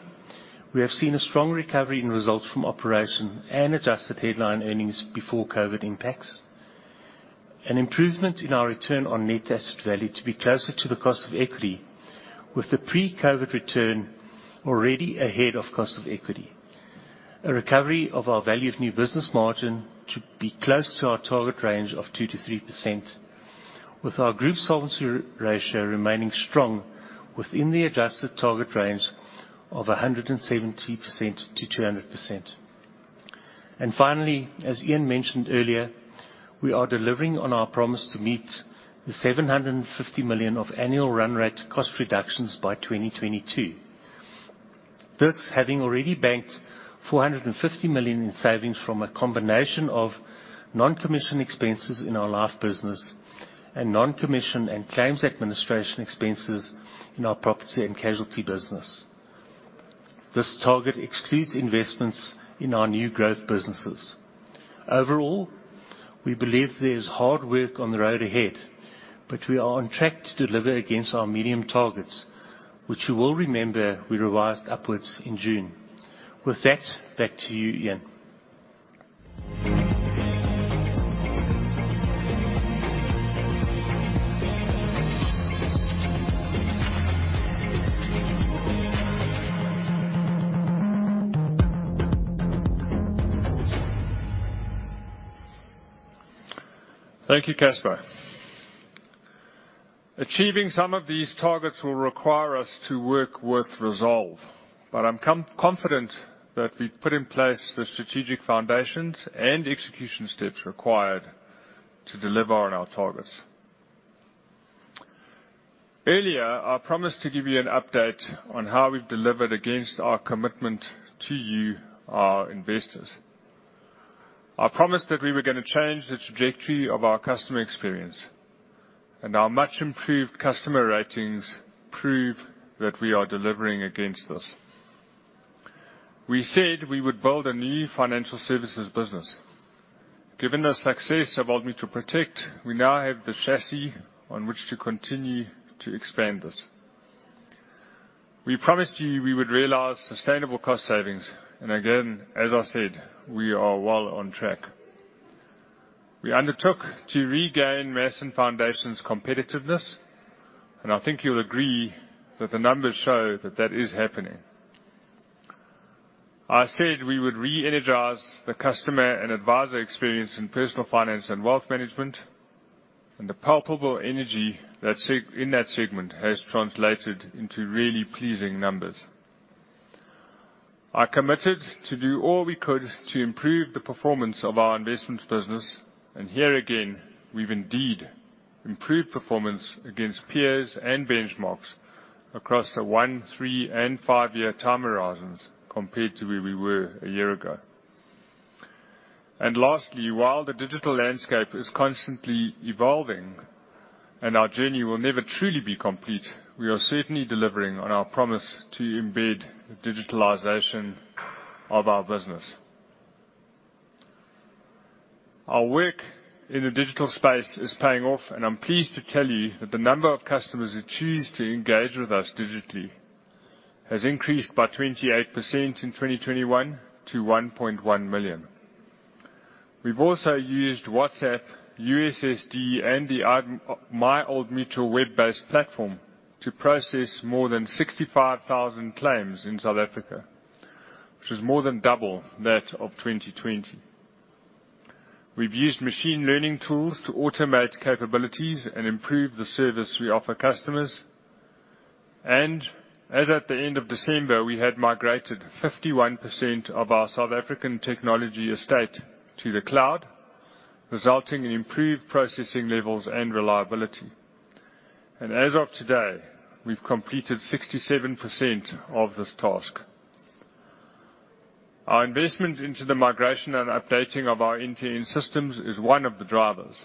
we have seen a strong recovery in results from operations and adjusted headline earnings before COVID impacts. An improvement in our return on net asset value to be closer to the cost of equity with the pre-COVID return already ahead of cost of equity. A recovery of our value of new business margin to be close to our target range of 2%-3%, with our group solvency r-ratio remaining strong within the adjusted target range of 170%-200%. Finally, as Iain mentioned earlier, we are delivering on our promise to meet the 750 million of annual run rate cost reductions by 2022. This having already banked 450 million in savings from a combination of non-commission expenses in our life business and non-commission and claims administration expenses in our property and casualty business. This target excludes investments in our new growth businesses. Overall, we believe there is hard work on the road ahead, but we are on track to deliver against our medium targets, which you will remember we revised upwards in June. With that, back to you, Iain. Thank you, Casper. Achieving some of these targets will require us to work with resolve. I'm confident that we've put in place the strategic foundations and execution steps required to deliver on our targets. Earlier, I promised to give you an update on how we've delivered against our commitment to you, our investors. I promised that we were gonna change the trajectory of our customer experience, and our much-improved customer ratings prove that we are delivering against this. We said we would build a new financial services business. Given the success of Old Mutual Protect, we now have the chassis on which to continue to expand this. We promised you we would realize sustainable cost savings, and again, as I said, we are well on track. We undertook to regain Mass&Foundation's competitiveness, and I think you'll agree that the numbers show that is happening. I said we would re-energize the customer and advisor experience in Personal Finance and Wealth Management, and the palpable energy in that segment has translated into really pleasing numbers. I committed to do all we could to improve the performance of our investments business, and here again, we've indeed improved performance against peers and benchmarks across the one, three, and five-year time horizons compared to where we were a year ago. Lastly, while the digital landscape is constantly evolving and our journey will never truly be complete, we are certainly delivering on our promise to embed digitalization of our business. Our work in the digital space is paying off, and I'm pleased to tell you that the number of customers who choose to engage with us digitally has increased by 28% in 2021 to 1.1 million. We've also used WhatsApp, USSD, and the My Old Mutual web-based platform to process more than 65,000 claims in South Africa, which is more than double that of 2020. We've used machine learning tools to automate capabilities and improve the service we offer customers. As at the end of December, we had migrated 51% of our South African technology estate to the cloud, resulting in improved processing levels and reliability. As of today, we've completed 67% of this task. Our investment into the migration and updating of our end-to-end systems is one of the drivers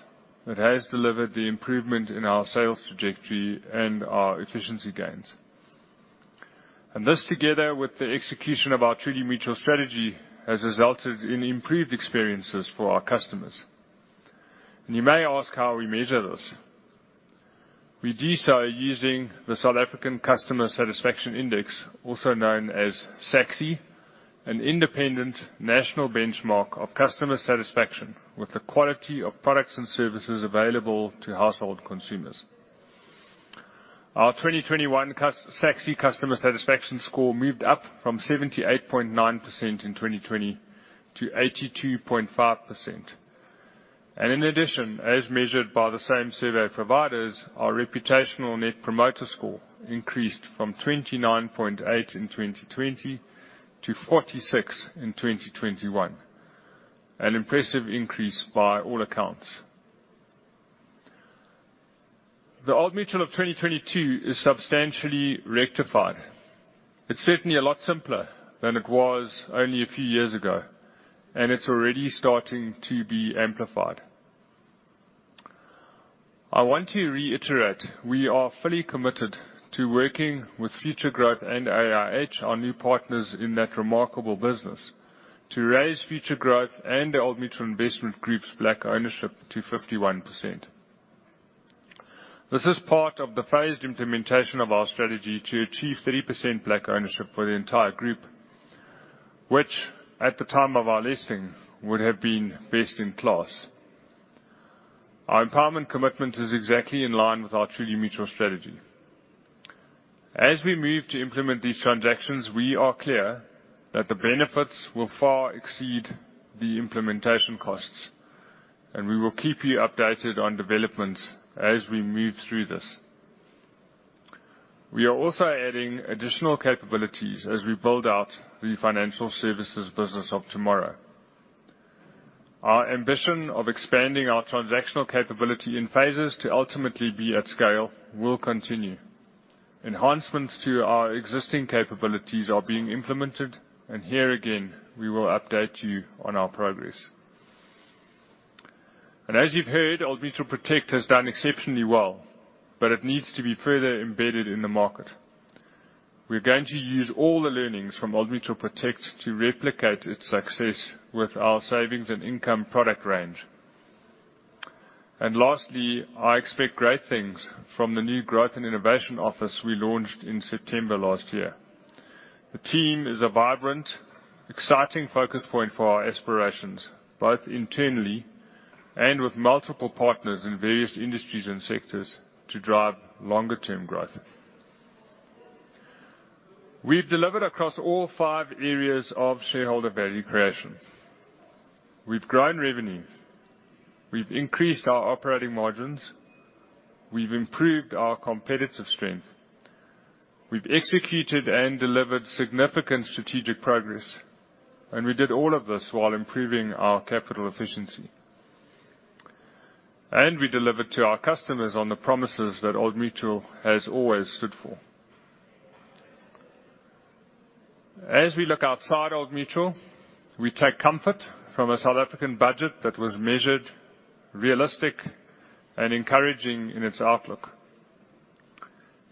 that has delivered the improvement in our sales trajectory and our efficiency gains. This, together with the execution of our Truly Mutual strategy, has resulted in improved experiences for our customers. You may ask how we measure this. We do so using the South African Customer Satisfaction Index, also known as SA-csi, an independent national benchmark of customer satisfaction with the quality of products and services available to household consumers. Our 2021 SA-csi customer satisfaction score moved up from 78.9% in 2020 to 82.5%. In addition, as measured by the same survey providers, our reputational net promoter score increased from 29.8 in 2020 to 46 in 2021. An impressive increase by all accounts. The Old Mutual of 2022 is substantially different. It's certainly a lot simpler than it was only a few years ago, and it's already starting to be amplified. I want to reiterate, we are fully committed to working with Futuregrowth and AIH, our new partners in that remarkable business, to raise Futuregrowth and the Old Mutual Investment Group's Black ownership to 51%. This is part of the phased implementation of our strategy to achieve 30% Black ownership for the entire group. Which, at the time of our listing, would have been best in class. Our empowerment commitment is exactly in line with our Truly Mutual strategy. As we move to implement these transactions, we are clear that the benefits will far exceed the implementation costs, and we will keep you updated on developments as we move through this. We are also adding additional capabilities as we build out the financial services business of tomorrow. Our ambition of expanding our transactional capability in phases to ultimately be at scale will continue. Enhancements to our existing capabilities are being implemented, and here again, we will update you on our progress. As you've heard, Old Mutual Protect has done exceptionally well, but it needs to be further embedded in the market. We're going to use all the learnings from Old Mutual Protect to replicate its success with our savings and income product range. Lastly, I expect great things from the new growth and innovation office we launched in September last year. The team is a vibrant, exciting focus point for our aspirations, both internally and with multiple partners in various industries and sectors to drive longer-term growth. We've delivered across all five areas of shareholder value creation. We've grown revenue. We've increased our operating margins. We've improved our competitive strength. We've executed and delivered significant strategic progress. We did all of this while improving our capital efficiency. We delivered to our customers on the promises that Old Mutual has always stood for. As we look outside Old Mutual, we take comfort from a South African budget that was measured, realistic, and encouraging in its outlook.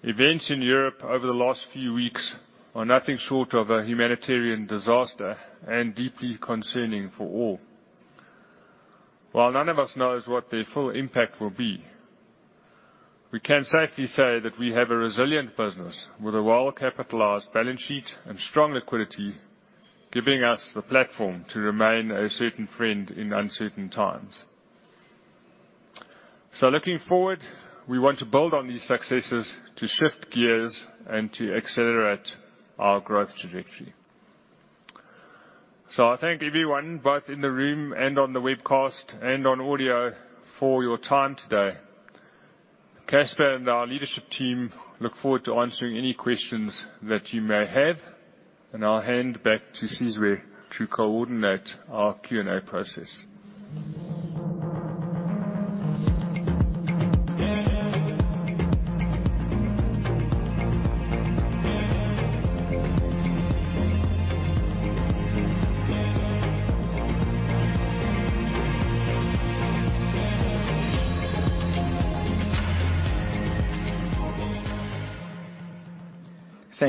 Events in Europe over the last few weeks are nothing short of a humanitarian disaster and deeply concerning for all. While none of us knows what their full impact will be, we can safely say that we have a resilient business with a well-capitalized balance sheet and strong liquidity, giving us the platform to remain a certain friend in uncertain times. Looking forward, we want to build on these successes to shift gears and to accelerate our growth trajectory. I thank everyone, both in the room and on the webcast and on audio for your time today. Casper and our leadership team look forward to answering any questions that you may have, and I'll hand back to Sizwe to coordinate our Q&A process.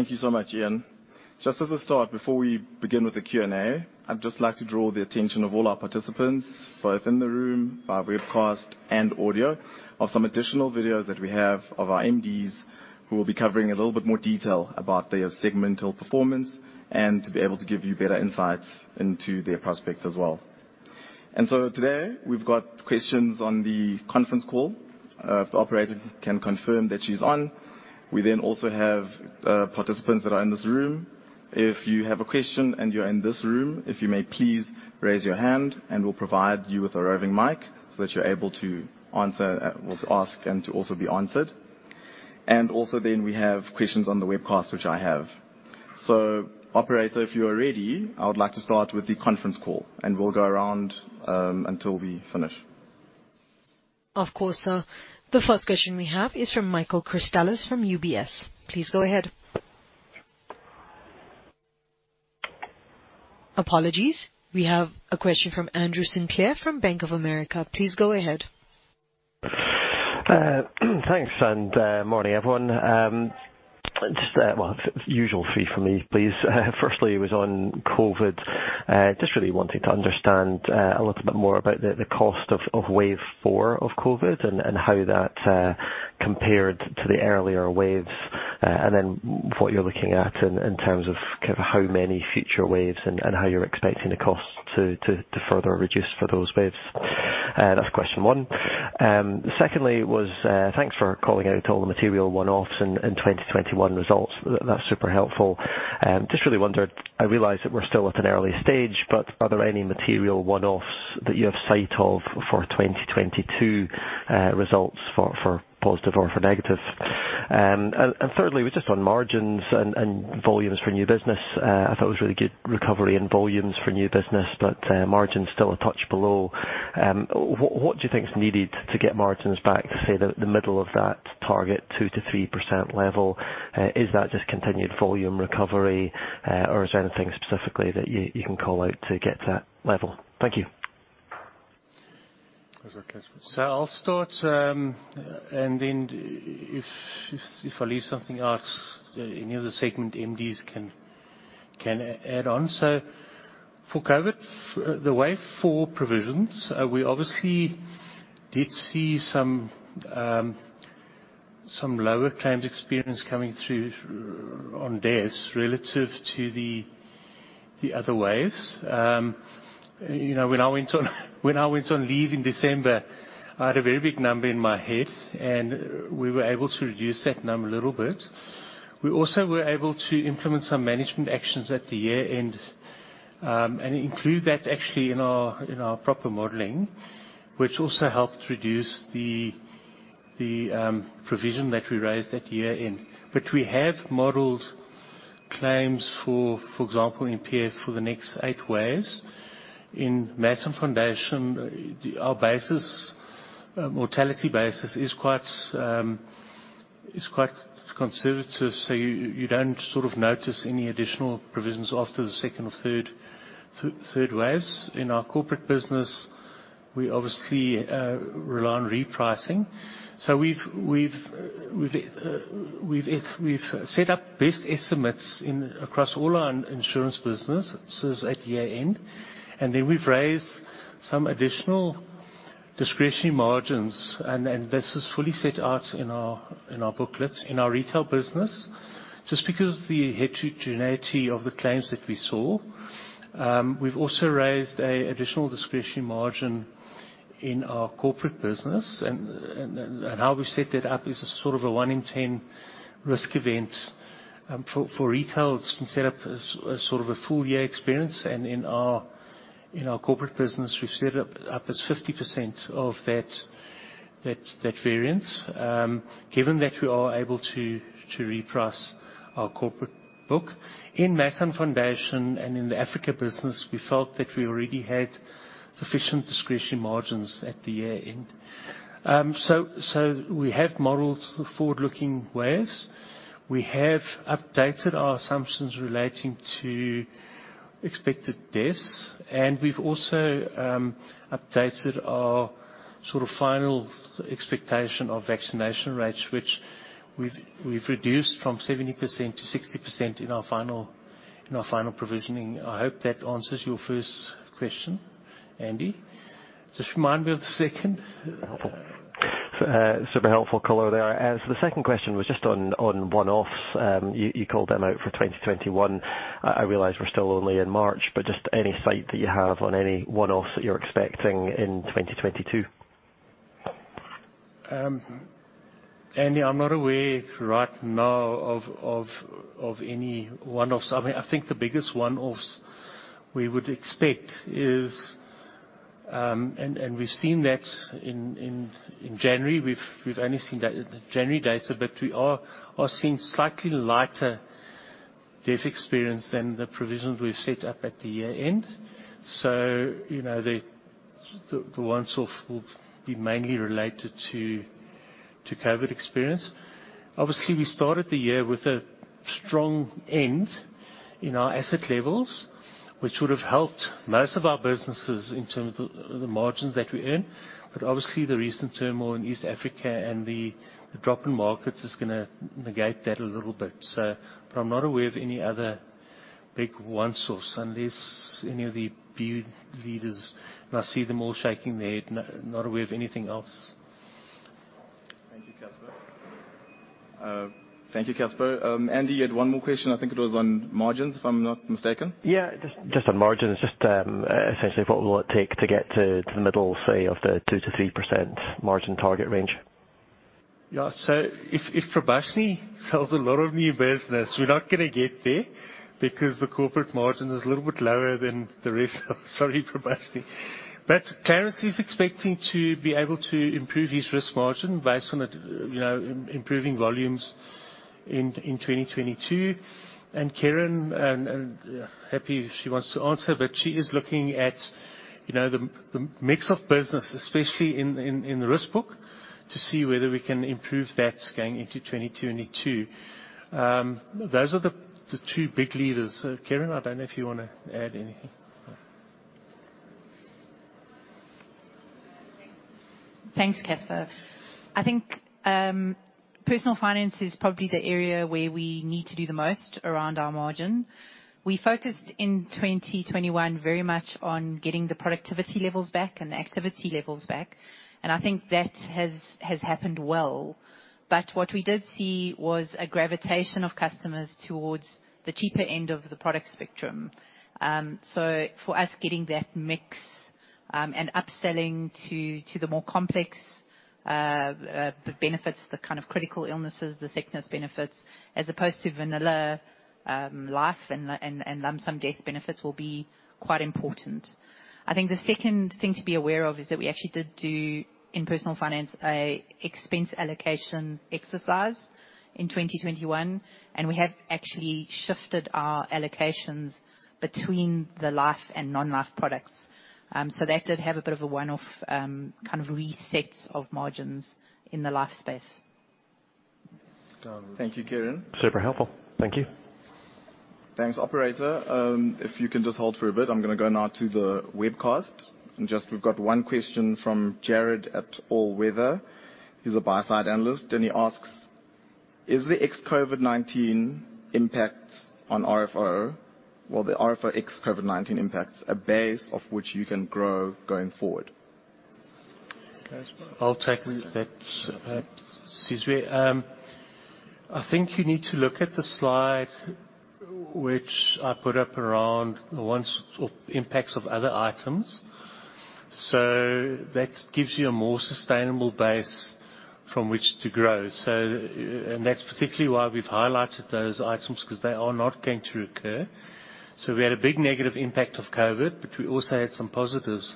Thank you so much, Iain. Just as a start, before we begin with the Q&A, I'd just like to draw the attention of all our participants, both in the room, via webcast and audio, of some additional videos that we have of our MDs, who will be covering a little bit more detail about their segmental performance and to be able to give you better insights into their prospects as well. Today, we've got questions on the conference call. If the operator can confirm that she's on. We then also have participants that are in this room. If you have a question and you're in this room, please raise your hand and we'll provide you with a roving mic so that you're able to ask and to also be answered. We have questions on the webcast, which I have. Operator, if you are ready, I would like to start with the conference call, and we'll go around, until we finish. Of course, sir. The first question we have is from Michael Christelis from UBS. Please go ahead. Apologies. We have a question from Andrew Sinclair from Bank of America. Please go ahead. Thanks, morning, everyone. Just usual three from me, please. Firstly, it was on COVID. Just really wanting to understand a little bit more about the cost of wave four of COVID and how that compared to the earlier waves, and then what you're looking at in terms of kind of how many future waves and how you're expecting the cost to further reduce for those waves. That's question one. Secondly was thanks for calling out all the material one-offs in 2021 results. That's super helpful. Just really wondered, I realize that we're still at an early stage, but are there any material one-offs that you have sight of for 2022 results for positive or for negative? Thirdly was just on margins and volumes for new business. I thought it was a really good recovery in volumes for new business, but margin's still a touch below. What do you think is needed to get margins back to, say, the middle of that target, 2%-3% level? Is that just continued volume recovery, or is there anything specifically that you can call out to get to that level? Thank you. That's okay. I'll start, and then if I leave something out, any of the segment MDs can add on. For COVID-19, the wave four provisions, we obviously did see some lower claims experience coming through on deaths relative to the other waves. You know, when I went on leave in December, I had a very big number in my head, and we were able to reduce that number a little bit. We also were able to implement some management actions at the year end, and include that actually in our proper modeling, which also helped reduce the provision that we raised at year end. We have modeled claims, for example, in PF for the next eight waves. In Mass & Foundation, our mortality basis is quite conservative, so you don't sort of notice any additional provisions after the second or third waves. In our corporate business, we obviously rely on repricing. We've set up best estimates across all our insurance business since that year end, and then we've raised some additional discretionary margins. This is fully set out in our booklets. In our retail business, just because the heterogeneity of the claims that we saw, we've also raised an additional discretionary margin in our corporate business. How we set that up is sort of a one in ten risk event. For retail, it's been set up as sort of a full year experience. In our corporate business, we've set it up as 50% of that variance, given that we are able to reprice our corporate book. In Mass & Foundation and in the Africa business, we felt that we already had sufficient discretionary margins at the year end. So we have modeled the forward-looking waves. We have updated our assumptions relating to expected deaths, and we've also updated our sort of final expectation of vaccination rates, which we've reduced from 70% to 60% in our final provisioning. I hope that answers your first question, Andy. Just remind me of the second. Super helpful color there. The second question was just on one-offs. You called them out for 2021. I realize we're still only in March, but just any insight that you have on any one-offs that you're expecting in 2022. Andy, I'm not aware right now of any one-offs. I mean, I think the biggest one-offs we would expect is, and we've seen that in January. We've only seen that January data, but we are seeing slightly lighter death experience than the provisions we've set up at the year end. You know, the one-off will be mainly related to COVID experience. Obviously, we started the year with a strong end in our asset levels, which would have helped most of our businesses in terms of the margins that we earn. But obviously the recent turmoil in East Africa and the drop in markets is gonna negate that a little bit. I'm not aware of any other big one-offs, unless any of the BU leaders. I see them all shaking their head. No, not aware of anything else. Thank you, Casper. Andy, you had one more question. I think it was on margins, if I'm not mistaken. Yeah, just on margins. Just essentially, what will it take to get to the middle, say, of the 2%-3% margin target range? Yeah. If Prabashini sells a lot of new business, we're not gonna get there because the corporate margin is a little bit lower. Sorry, Prabashini. Clarence is expecting to be able to improve his risk margin based on you know, improving volumes in 2022. Kerrin, happy if she wants to answer, but she is looking at you know, the mix of business, especially in the risk book, to see whether we can improve that going into 2022. Those are the two big leaders. Kerrin, I don't know if you wanna add anything. Thanks, Casper. I think personal finance is probably the area where we need to do the most around our margin. We focused in 2021 very much on getting the productivity levels back and the activity levels back, and I think that has happened well. What we did see was a gravitation of customers towards the cheaper end of the product spectrum. So for us, getting that mix and upselling to the more complex benefits, the kind of critical illnesses, the sickness benefits, as opposed to vanilla life and lump sum death benefits will be quite important. I think the second thing to be aware of is that we actually did do, in Personal Finance, an expense allocation exercise in 2021, and we have actually shifted our allocations between the life and non-life products. That did have a bit of a one-off, kind of reset of margins in the life space. Thank you, Kerrin. Super helpful. Thank you. Thanks. Operator, if you can just hold for a bit, I'm gonna go now to the webcast. Just we've got one question from Jared at All Weather. He's a buy side analyst. He asks, "Is the ex-COVID-19 impact on RFO or the RFO ex-COVID-19 impact a base of which you can grow going forward? I'll take that. Excuse me. I think you need to look at the slide which I put up around the one-off impacts of other items. That gives you a more sustainable base from which to grow. That's particularly why we've highlighted those items, because they are not going to recur. We had a big negative impact of COVID, but we also had some positives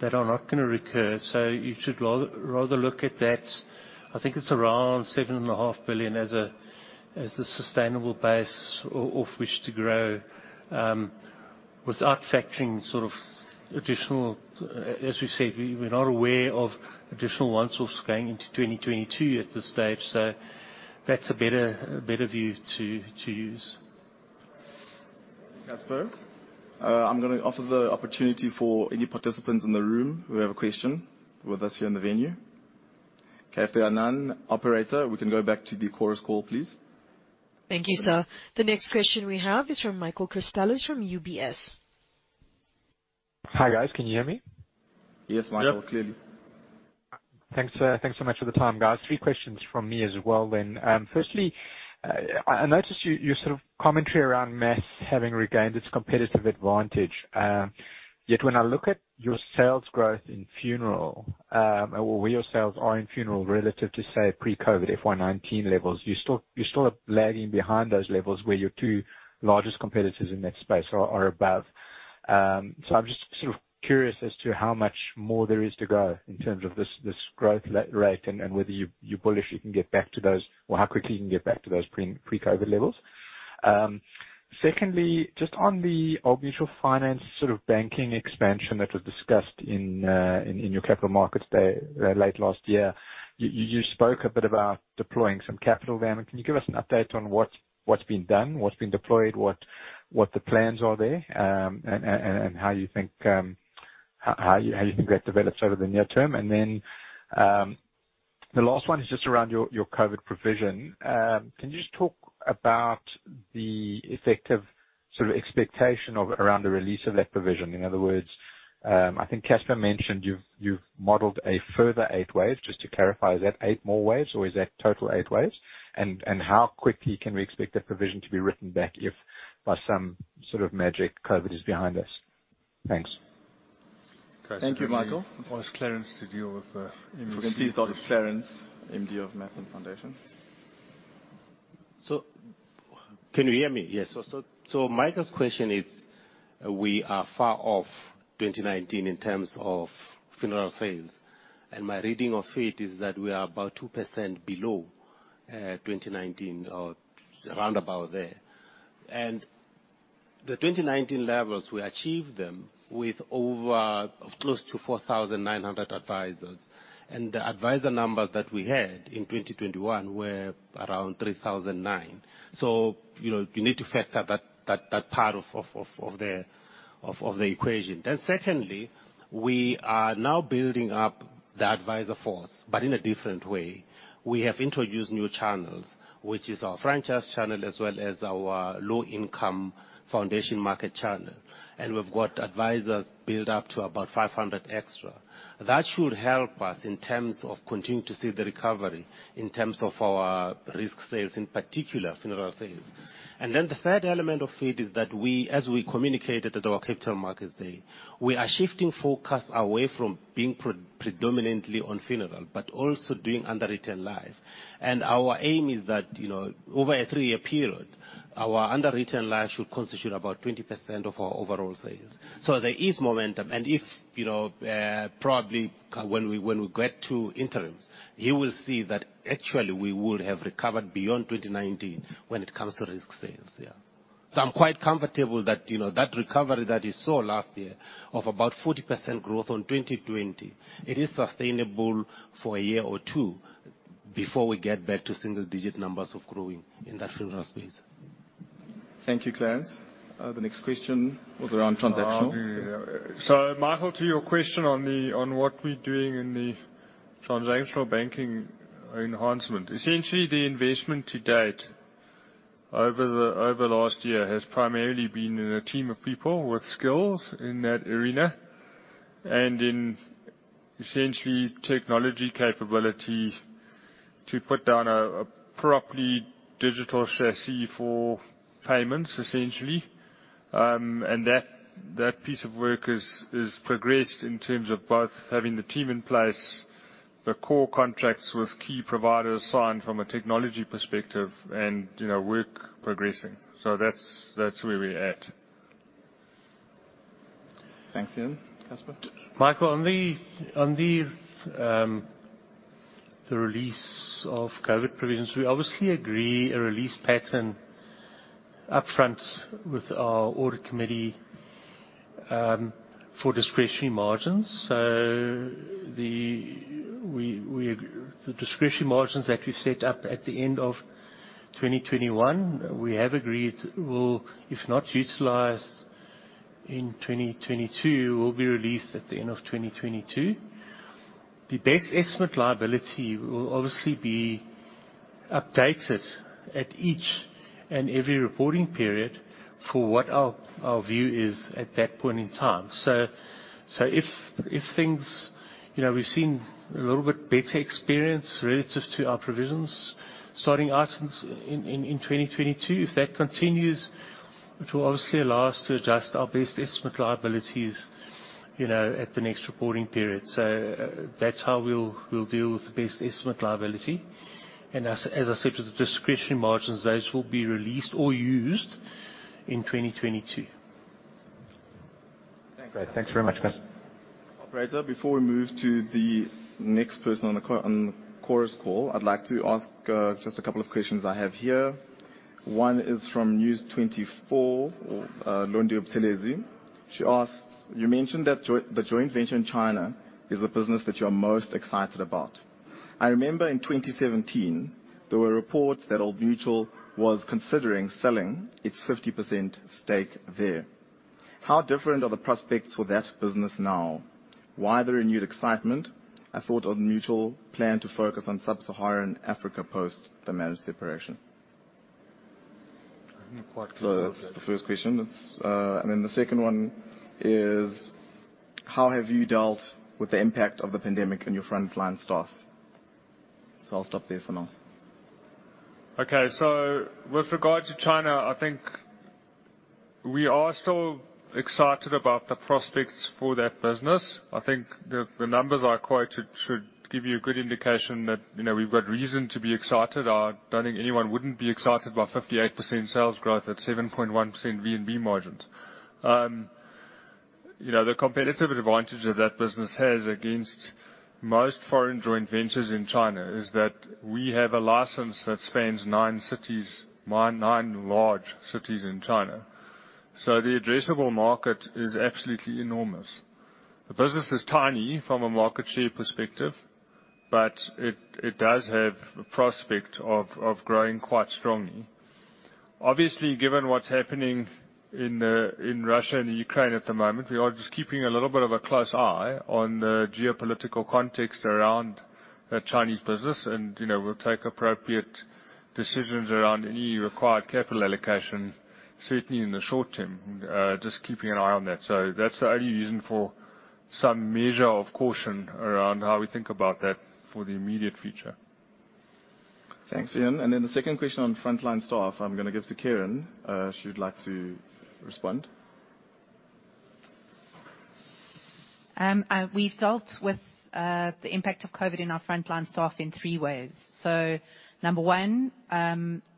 that are not gonna recur. You should rather look at that. I think it's around 7.5 billion as the sustainable base of which to grow, without factoring sort of additional. As we said, we're not aware of additional one-offs going into 2022 at this stage, so that's a better view to use. I'm gonna offer the opportunity for any participants in the room who have a question with us here in the venue. Okay, if there are none, operator, we can go back to the chorus call, please. Thank you, sir. The next question we have is from Michael Christelis from UBS. Hi, guys. Can you hear me? Yes, Michael. Clearly. Yep. Thanks, sir. Thanks so much for the time, guys. Three questions from me as well then. Firstly, I noticed your sort of commentary around Mass having regained its competitive advantage. Yet when I look at your sales growth in funeral, or where your sales are in funeral relative to, say, pre-COVID FY 2019 levels, you're still lagging behind those levels where your two largest competitors in that space are above. So I'm just sort of curious as to how much more there is to go in terms of this growth rate and whether you're bullish you can get back to those, or how quickly you can get back to those pre-COVID levels. Secondly, just on the Old Mutual Finance sort of banking expansion that was discussed in your capital markets day late last year, you spoke a bit about deploying some capital there. Can you give us an update on what's been done, what's been deployed, what the plans are there, and how you think that develops over the near term? The last one is just around your COVID provision. Can you just talk about the effective sort of expectation of around the release of that provision? In other words, I think Casper mentioned you've modeled a further eight waves. Just to clarify, is that eight more waves or is that total eight waves? how quickly can we expect that provision to be written back if by some sort of magic COVID is behind us? Thanks. Thank you, Michael. I'll ask Clarence to deal with the MU- If we can please go to Clarence, MD of Mass & Foundation. Can you hear me? Yes. Michael's question is, we are far off 2019 in terms of funeral sales, and my reading of it is that we are about 2% below 2019 or round about there. The 2019 levels, we achieved them with over close to 4,900 advisors. The advisor numbers that we had in 2021 were around 3,900. You know, you need to factor that part of the equation. Secondly, we are now building up the advisor force, but in a different way. We have introduced new channels, which is our franchise channel, as well as our low-income foundation market channel. We've got advisors built up to about 500 extra. That should help us in terms of continuing to see the recovery, in terms of our risk sales, in particular, funeral sales. Then the third element of it is that we, as we communicated at our capital markets day, we are shifting focus away from being predominantly on funeral, but also doing underwritten life. Our aim is that, you know, over a three-year period, our underwritten life should constitute about 20% of our overall sales. There is momentum, and if, you know, probably when we, when we get to interims, you will see that actually we would have recovered beyond 2019 when it comes to risk sales, yeah. I'm quite comfortable that, you know, that recovery that you saw last year of about 40% growth on 2020, it is sustainable for a year or two before we get back to single-digit numbers of growth in that funeral space. Thank you, Clarence. The next question was around transactional. Michael, to your question on what we're doing in the transactional banking enhancement. Essentially, the investment to date over the last year has primarily been in a team of people with skills in that arena and in essentially technology capability to put down a properly digital chassis for payments, essentially. That piece of work has progressed in terms of both having the team in place, the core contracts with key providers signed from a technology perspective and, you know, work progressing. That's where we're at. Thanks, Iain. Casper? Michael, on the release of COVID provisions, we obviously agree a release pattern upfront with our audit committee for discretionary margins. The discretionary margins that we've set up at the end of 2021, we have agreed will, if not utilized in 2022, will be released at the end of 2022. The best estimate liability will obviously be updated at each and every reporting period for what our view is at that point in time. So if things, you know, we've seen a little bit better experience relative to our provisions, starting items in 2022. If that continues, it will obviously allow us to adjust our best estimate liabilities, you know, at the next reporting period. So that's how we'll deal with the best estimate liability. As I said, with the discretionary margins, those will be released or used in 2022. Thanks. Great. Thanks very much, guys. Operator, before we move to the next person on the chorus call, I'd like to ask just a couple of questions I have here. One is from News24, Londiwe Buthelezi. She asks, "You mentioned that the joint venture in China is the business that you're most excited about. I remember in 2017, there were reports that Old Mutual was considering selling its 50% stake there. How different are the prospects for that business now? Why the renewed excitement? I thought Old Mutual planned to focus on sub-Saharan Africa post the managed separation. I think quite- That's the first question. The second one is, "How have you dealt with the impact of the pandemic on your frontline staff?" I'll stop there for now. Okay. With regard to China, I think we are still excited about the prospects for that business. I think the numbers I quoted should give you a good indication that, you know, we've got reason to be excited. I don't think anyone wouldn't be excited by 58% sales growth at 7.1% VNB margins. You know, the competitive advantage that that business has against most foreign joint ventures in China is that we have a license that spans nine cities, nine large cities in China. The addressable market is absolutely enormous. The business is tiny from a market share perspective, but it does have a prospect of growing quite strongly. Obviously, given what's happening in Russia and Ukraine at the moment, we are just keeping a little bit of a close eye on the geopolitical context around the Chinese business. You know, we'll take appropriate decisions around any required capital allocation, certainly in the short term. Just keeping an eye on that. That's the only reason for some measure of caution around how we think about that for the immediate future. Thanks, Iain. The second question on frontline staff, I'm gonna give to Kerrin, if she would like to respond. We've dealt with the impact of COVID in our frontline staff in three ways. Number one,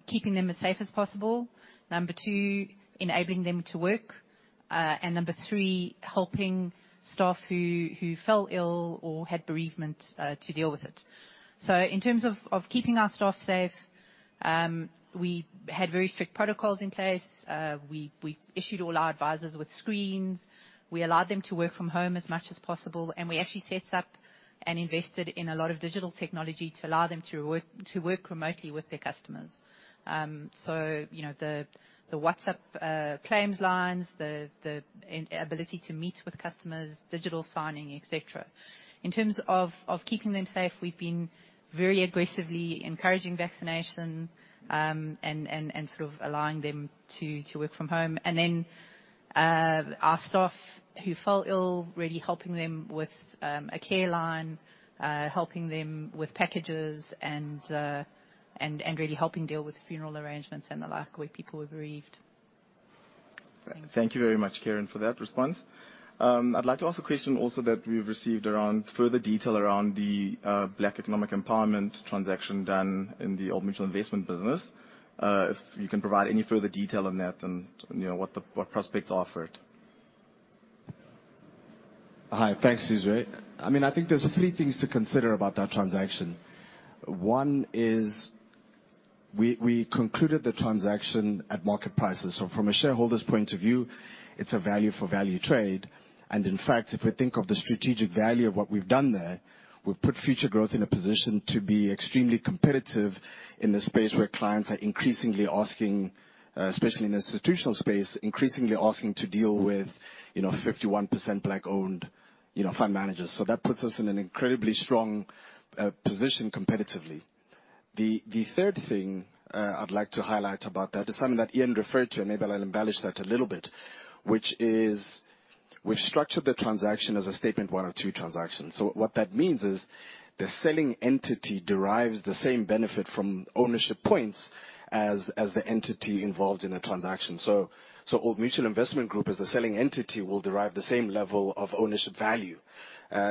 keeping them as safe as possible. Number two, enabling them to work. And number three, helping staff who fell ill or had bereavement to deal with it. In terms of keeping our staff safe, we had very strict protocols in place. We issued all our advisors with screens. We allowed them to work from home as much as possible, and we actually set up and invested in a lot of digital technology to allow them to work remotely with their customers. You know, the WhatsApp claims lines and the ability to meet with customers, digital signing, et cetera. In terms of keeping them safe, we've been very aggressively encouraging vaccination and sort of allowing them to work from home. Our staff who fell ill, really helping them with a care line, helping them with packages and really helping deal with funeral arrangements and the like, where people were bereaved. Thank you very much, Kerrin, for that response. I'd like to ask a question also that we've received around further detail around the Black Economic Empowerment transaction done in the Old Mutual Investments. If you can provide any further detail on that and what prospects for it. Hi. Thanks, Sizwe. I mean, I think there are three things to consider about that transaction. One is we concluded the transaction at market prices. So from a shareholder's point of view, it's a value for value trade. In fact, if we think of the strategic value of what we've done there, we've put Futuregrowth in a position to be extremely competitive in a space where clients are increasingly asking, especially in institutional space, increasingly asking to deal with, you know, 51% black-owned, you know, fund managers. So that puts us in an incredibly strong position competitively. The third thing I'd like to highlight about that is something that Iain referred to, and maybe I'll embellish that a little bit, which is we've structured the transaction as a Statement 102 transaction. What that means is the selling entity derives the same benefit from ownership points as the entity involved in a transaction. Old Mutual Investment Group, as the selling entity, will derive the same level of ownership value,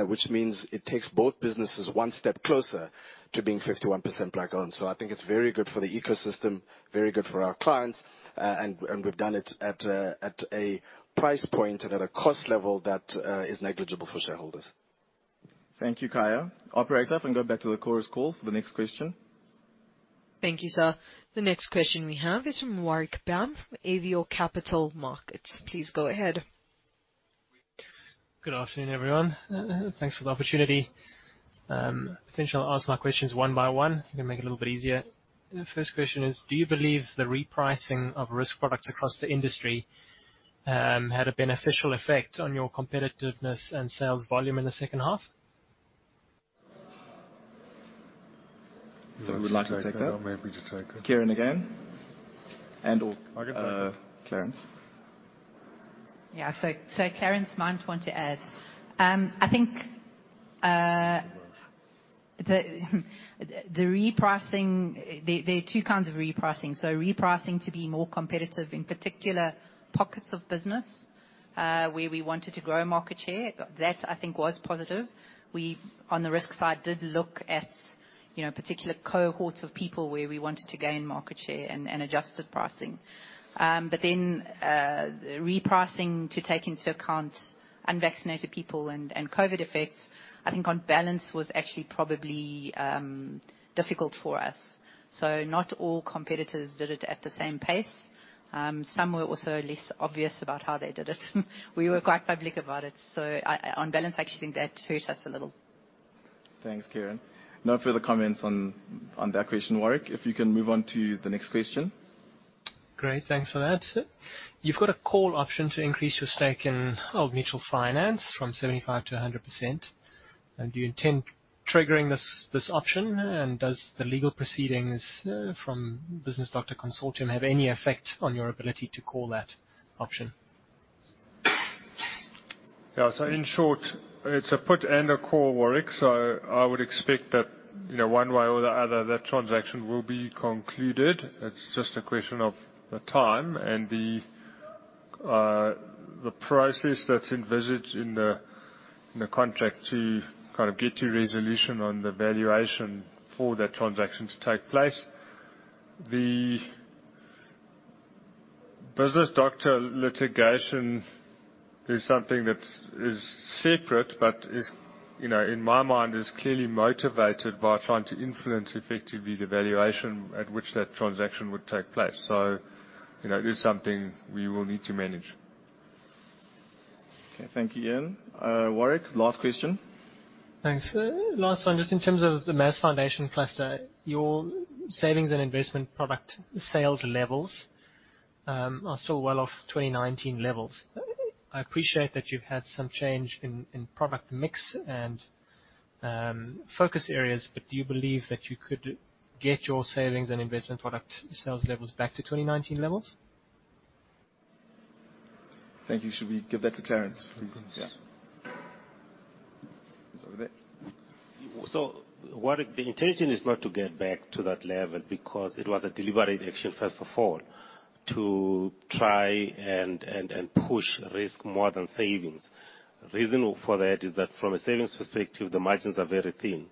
which means it takes both businesses one step closer to being 51% black-owned. I think it's very good for the ecosystem, very good for our clients. We've done it at a price point and at a cost level that is negligible for shareholders. Thank you, Khaya. Operator, if we can go back to the Q&A call for the next question. Thank you, sir. The next question we have is from Warwick Bam, Avior Capital Markets. Please go ahead. Good afternoon, everyone. Thanks for the opportunity. Potentially I'll ask my questions one by one. Gonna make it a little bit easier. The first question is, do you believe the repricing of risk products across the industry had a beneficial effect on your competitiveness and sales volume in the second half? Who would like to take that? I'm happy to take it. Kerrin again and/or, I can take it. Clarence. Yeah. Clarence might want to add. I think the repricing. There are two kinds of repricing. Repricing to be more competitive in particular pockets of business where we wanted to grow market share. That, I think, was positive. We on the risk side did look at you know particular cohorts of people where we wanted to gain market share and adjusted pricing. The repricing to take into account unvaccinated people and COVID effects, I think on balance was actually probably difficult for us. Not all competitors did it at the same pace. Some were also less obvious about how they did it. We were quite public about it. On balance, I actually think that hurt us a little. Thanks, Kerrin. No further comments on that question, Warwick. If you can move on to the next question. Great. Thanks for that. You've got a call option to increase your stake in Old Mutual Finance from 75 to 100%. Do you intend triggering this option? Does the legal proceedings from Business Doctor Consortium have any effect on your ability to call that option? Yeah. In short, it's a put and a call, Warwick, so I would expect that, you know, one way or the other, that transaction will be concluded. It's just a question of the time and the process that's envisaged in the contract to kind of get to resolution on the valuation for that transaction to take place. The Business Doctor Consortium litigation is something that is separate, but, you know, in my mind, is clearly motivated by trying to influence effectively the valuation at which that transaction would take place. You know, it is something we will need to manage. Okay. Thank you, Iain. Warwick, last question. Thanks. Last one. Just in terms of the Mass and Foundation Cluster, your savings and investment product sales levels are still well off 2019 levels. I appreciate that you've had some change in product mix and focus areas, but do you believe that you could get your savings and investment product sales levels back to 2019 levels? Thank you. Should we give that to Clarence, please? Of course. Yeah. He's over there. The intention is not to get back to that level because it was a deliberate action, first of all, to try and push risk more than savings. Reason for that is that from a savings perspective, the margins are very thin.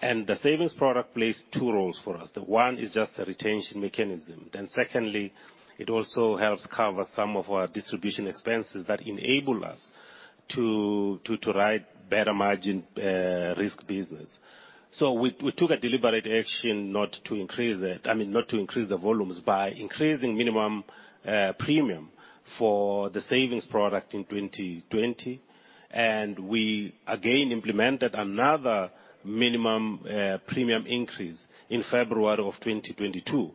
The savings product plays two roles for us. The one is just a retention mechanism. It also helps cover some of our distribution expenses that enable us to write better margin risk business. We took a deliberate action not to increase it, I mean, not to increase the volumes by increasing minimum premium for the savings product in 2020. We again implemented another minimum premium increase in February of 2022,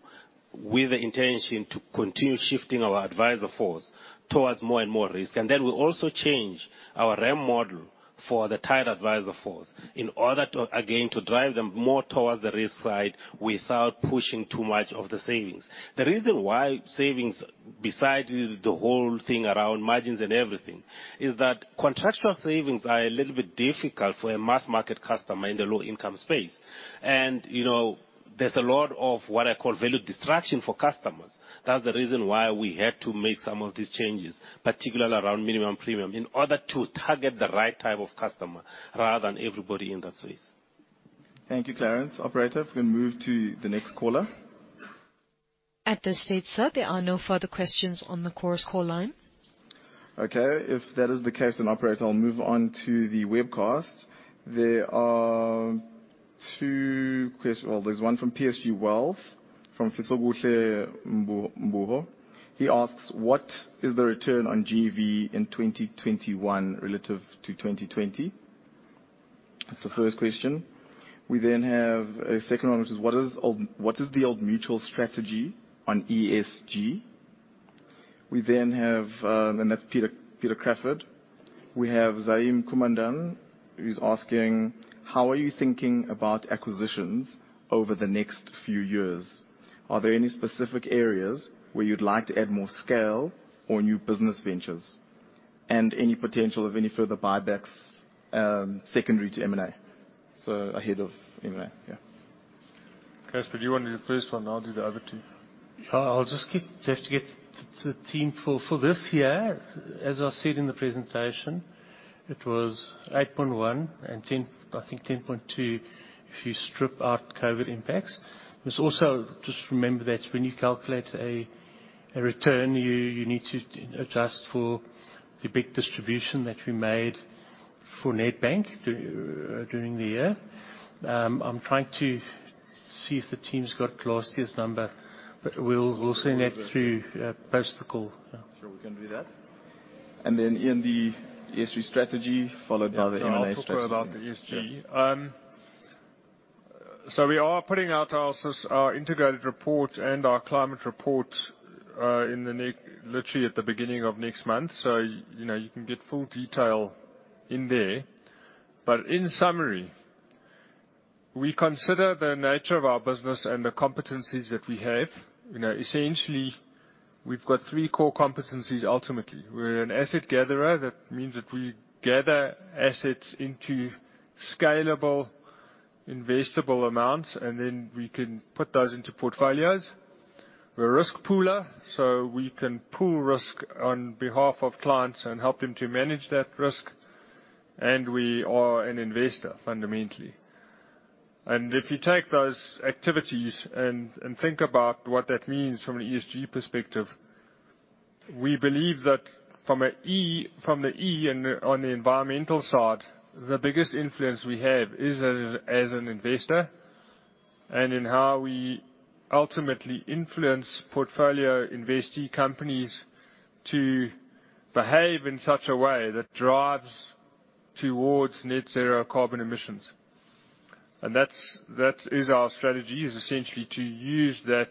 with the intention to continue shifting our advisor force towards more and more risk. We also changed our REM model. For the tied advisor force. In order to, again, to drive them more towards the risk side without pushing too much of the savings. The reason why savings, besides the whole thing around margins and everything, is that contractual savings are a little bit difficult for a mass-market customer in the low-income space. You know, there's a lot of what I call value distraction for customers. That's the reason why we had to make some of these changes, particularly around minimum premium, in order to target the right type of customer rather than everybody in that space. Thank you, Clarence. Operator, if we can move to the next caller. At this stage, sir, there are no further questions on the chorus call line. Okay, if that is the case, operator, I'll move on to the webcast. There is one from PSG Wealth, from Fisokuhle Mbutho. He asks, "What is the return on GEV in 2021 relative to 2020?" That is the first question. We have a second one, which is, "What is the Old Mutual strategy on ESG?" And that is Peter Crawford. We have Zaim Kumandan, who is asking, "How are you thinking about acquisitions over the next few years? Are there any specific areas where you'd like to add more scale or new business ventures? And any potential of any further buybacks, secondary to M&A?" Ahead of M&A, yeah. Troskie, you want to do the first one? I'll do the other two. I'll just have to get to the team for this year. As I said in the presentation, it was 8.1% and 10%, I think 10.2%, if you strip out COVID impacts. You must also just remember that when you calculate a return, you need to adjust for the big distribution that we made for Nedbank during the year. I'm trying to see if the team's got last year's number, but we'll send that through post the call. Yeah. Sure, we can do that. In the ESG strategy, followed by the M&A strategy. I'll talk about the ESG. We are putting out our integrated report and our climate report literally at the beginning of next month. You know, you can get full detail in there. In summary, we consider the nature of our business and the competencies that we have. You know, essentially, we've got three core competencies ultimately. We're an asset gatherer. That means that we gather assets into scalable, investable amounts, and then we can put those into portfolios. We're a risk pooler, so we can pool risk on behalf of clients and help them to manage that risk. We are an investor, fundamentally. If you take those activities and think about what that means from an ESG perspective, we believe that from the E on the environmental side, the biggest influence we have is as an investor, and in how we ultimately influence portfolio investee companies to behave in such a way that drives towards net zero carbon emissions. That's our strategy, is essentially to use that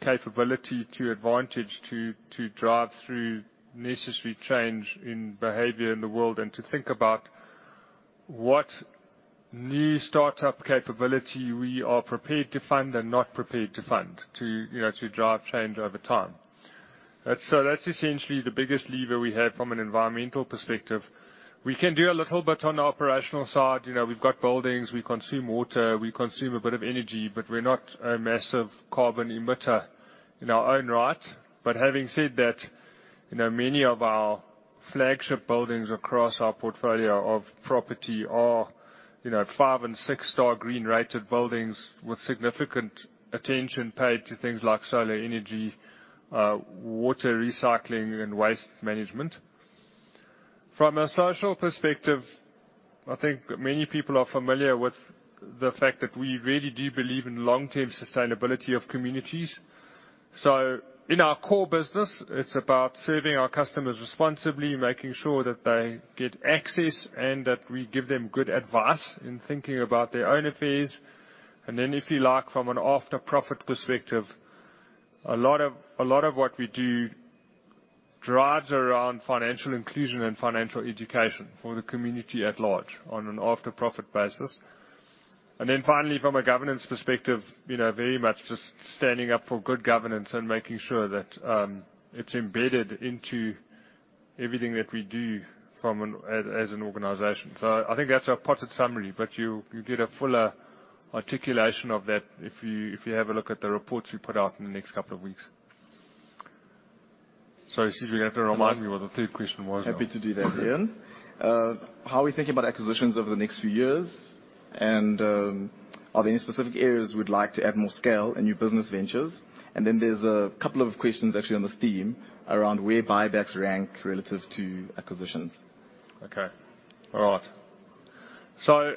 capability to advantage to drive through necessary change in behavior in the world and to think about what new startup capability we are prepared to fund and not prepared to fund to, you know, to drive change over time. That's essentially the biggest lever we have from an environmental perspective. We can do a little bit on the operational side. You know, we've got buildings, we consume water, we consume a bit of energy, but we're not a massive carbon emitter in our own right. Having said that, you know, many of our flagship buildings across our portfolio of property are, you know, five- and six-star green-rated buildings with significant attention paid to things like solar energy, water recycling and waste management. From a social perspective, I think many people are familiar with the fact that we really do believe in long-term sustainability of communities. In our core business, it's about serving our customers responsibly, making sure that they get access and that we give them good advice in thinking about their own affairs. If you like, from a not-for-profit perspective, a lot of what we do revolves around financial inclusion and financial education for the community at large on a not-for-profit basis. Finally, from a governance perspective, you know, very much just standing up for good governance and making sure that it's embedded into everything that we do as an organization. I think that's a potted summary, but you get a fuller articulation of that if you have a look at the reports we put out in the next couple of weeks. You see, you're gonna have to remind me what the third question was now. Happy to do that, Iain. How are we thinking about acquisitions over the next few years? Are there any specific areas we'd like to add more scale and new business ventures? There's a couple of questions actually on this theme around where buybacks rank relative to acquisitions. Okay. All right.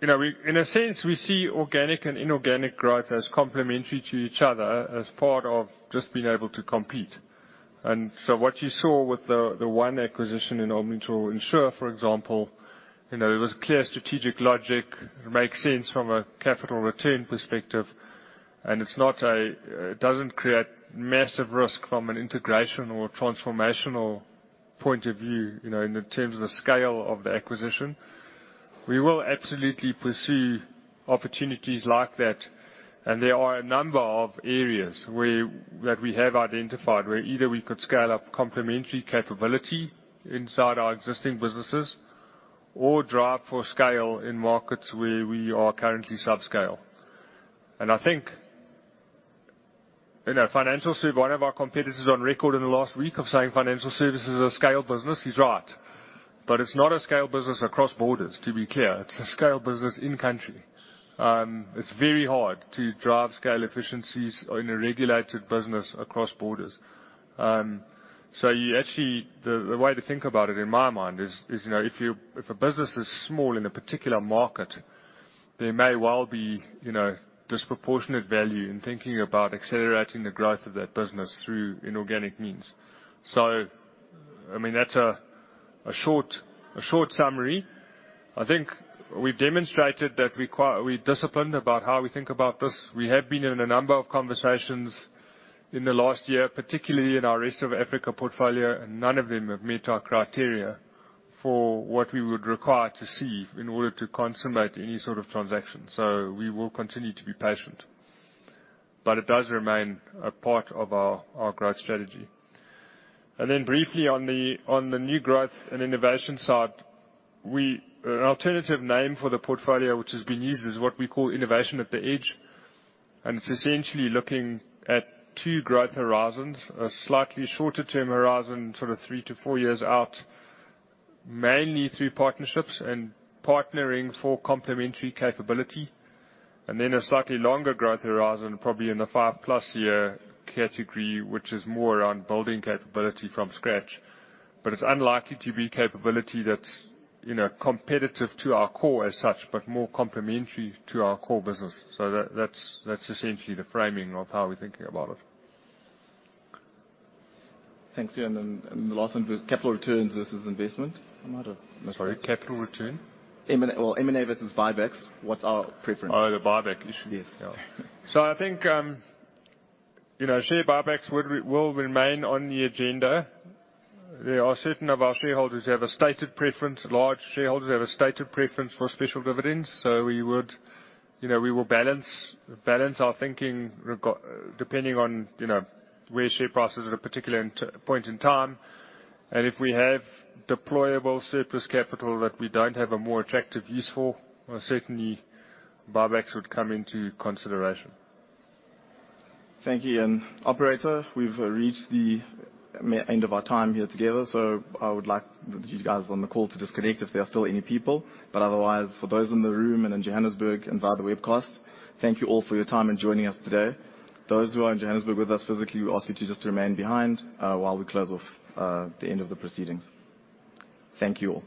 You know, we, in a sense, we see organic and inorganic growth as complementary to each other as part of just being able to compete. What you saw with the one acquisition in Omni, for example. You know, there was clear strategic logic. It makes sense from a capital return perspective, and it's not a. It doesn't create massive risk from an integration or transformational point of view, you know, in terms of the scale of the acquisition. We will absolutely pursue opportunities like that, and there are a number of areas where that we have identified, where either we could scale up complementary capability inside our existing businesses or drive for scale in markets where we are currently subscale. I think financial services is a scale business. One of our competitors on record in the last week of saying financial services is a scale business. He's right. It's not a scale business across borders, to be clear. It's a scale business in country. It's very hard to drive scale efficiencies in a regulated business across borders. The way to think about it in my mind is, you know, if a business is small in a particular market, there may well be, you know, disproportionate value in thinking about accelerating the growth of that business through inorganic means. I mean, that's a short summary. I think we've demonstrated that we're disciplined about how we think about this. We have been in a number of conversations in the last year, particularly in our Rest of Africa portfolio, and none of them have met our criteria for what we would require to see in order to consummate any sort of transaction. We will continue to be patient, but it does remain a part of our growth strategy. Briefly on the new growth and innovation side, an alternative name for the portfolio which has been used is what we call innovation at the edge. It's essentially looking at two growth horizons. A slightly shorter term horizon, sort of three to four years out, mainly through partnerships and partnering for complementary capability. A slightly longer growth horizon, probably in the 5+ year category, which is more around building capability from scratch. It's unlikely to be capability that's, you know, competitive to our core as such, but more complementary to our core business. That's essentially the framing of how we're thinking about it. Thanks, Iain. The last one, capital returns versus investment. I might have missed one. Sorry, capital return? Well, M&A versus buybacks. What's our preference? Oh, the buyback issue. Yes. I think, you know, share buybacks will remain on the agenda. There are certain of our shareholders who have a stated preference, large shareholders who have a stated preference for special dividends. We would, you know, we will balance our thinking depending on, you know, where the share price is at a particular point in time. If we have deployable surplus capital that we don't have a more attractive use for, certainly buybacks would come into consideration. Thank you, Iain. Operator, we've reached the end of our time here together, so I would like you guys on the call to disconnect if there are still any people. Otherwise, for those in the room and in Johannesburg and via the webcast, thank you all for your time and joining us today. Those who are in Johannesburg with us physically, we ask you to just remain behind while we close off the end of the proceedings. Thank you all.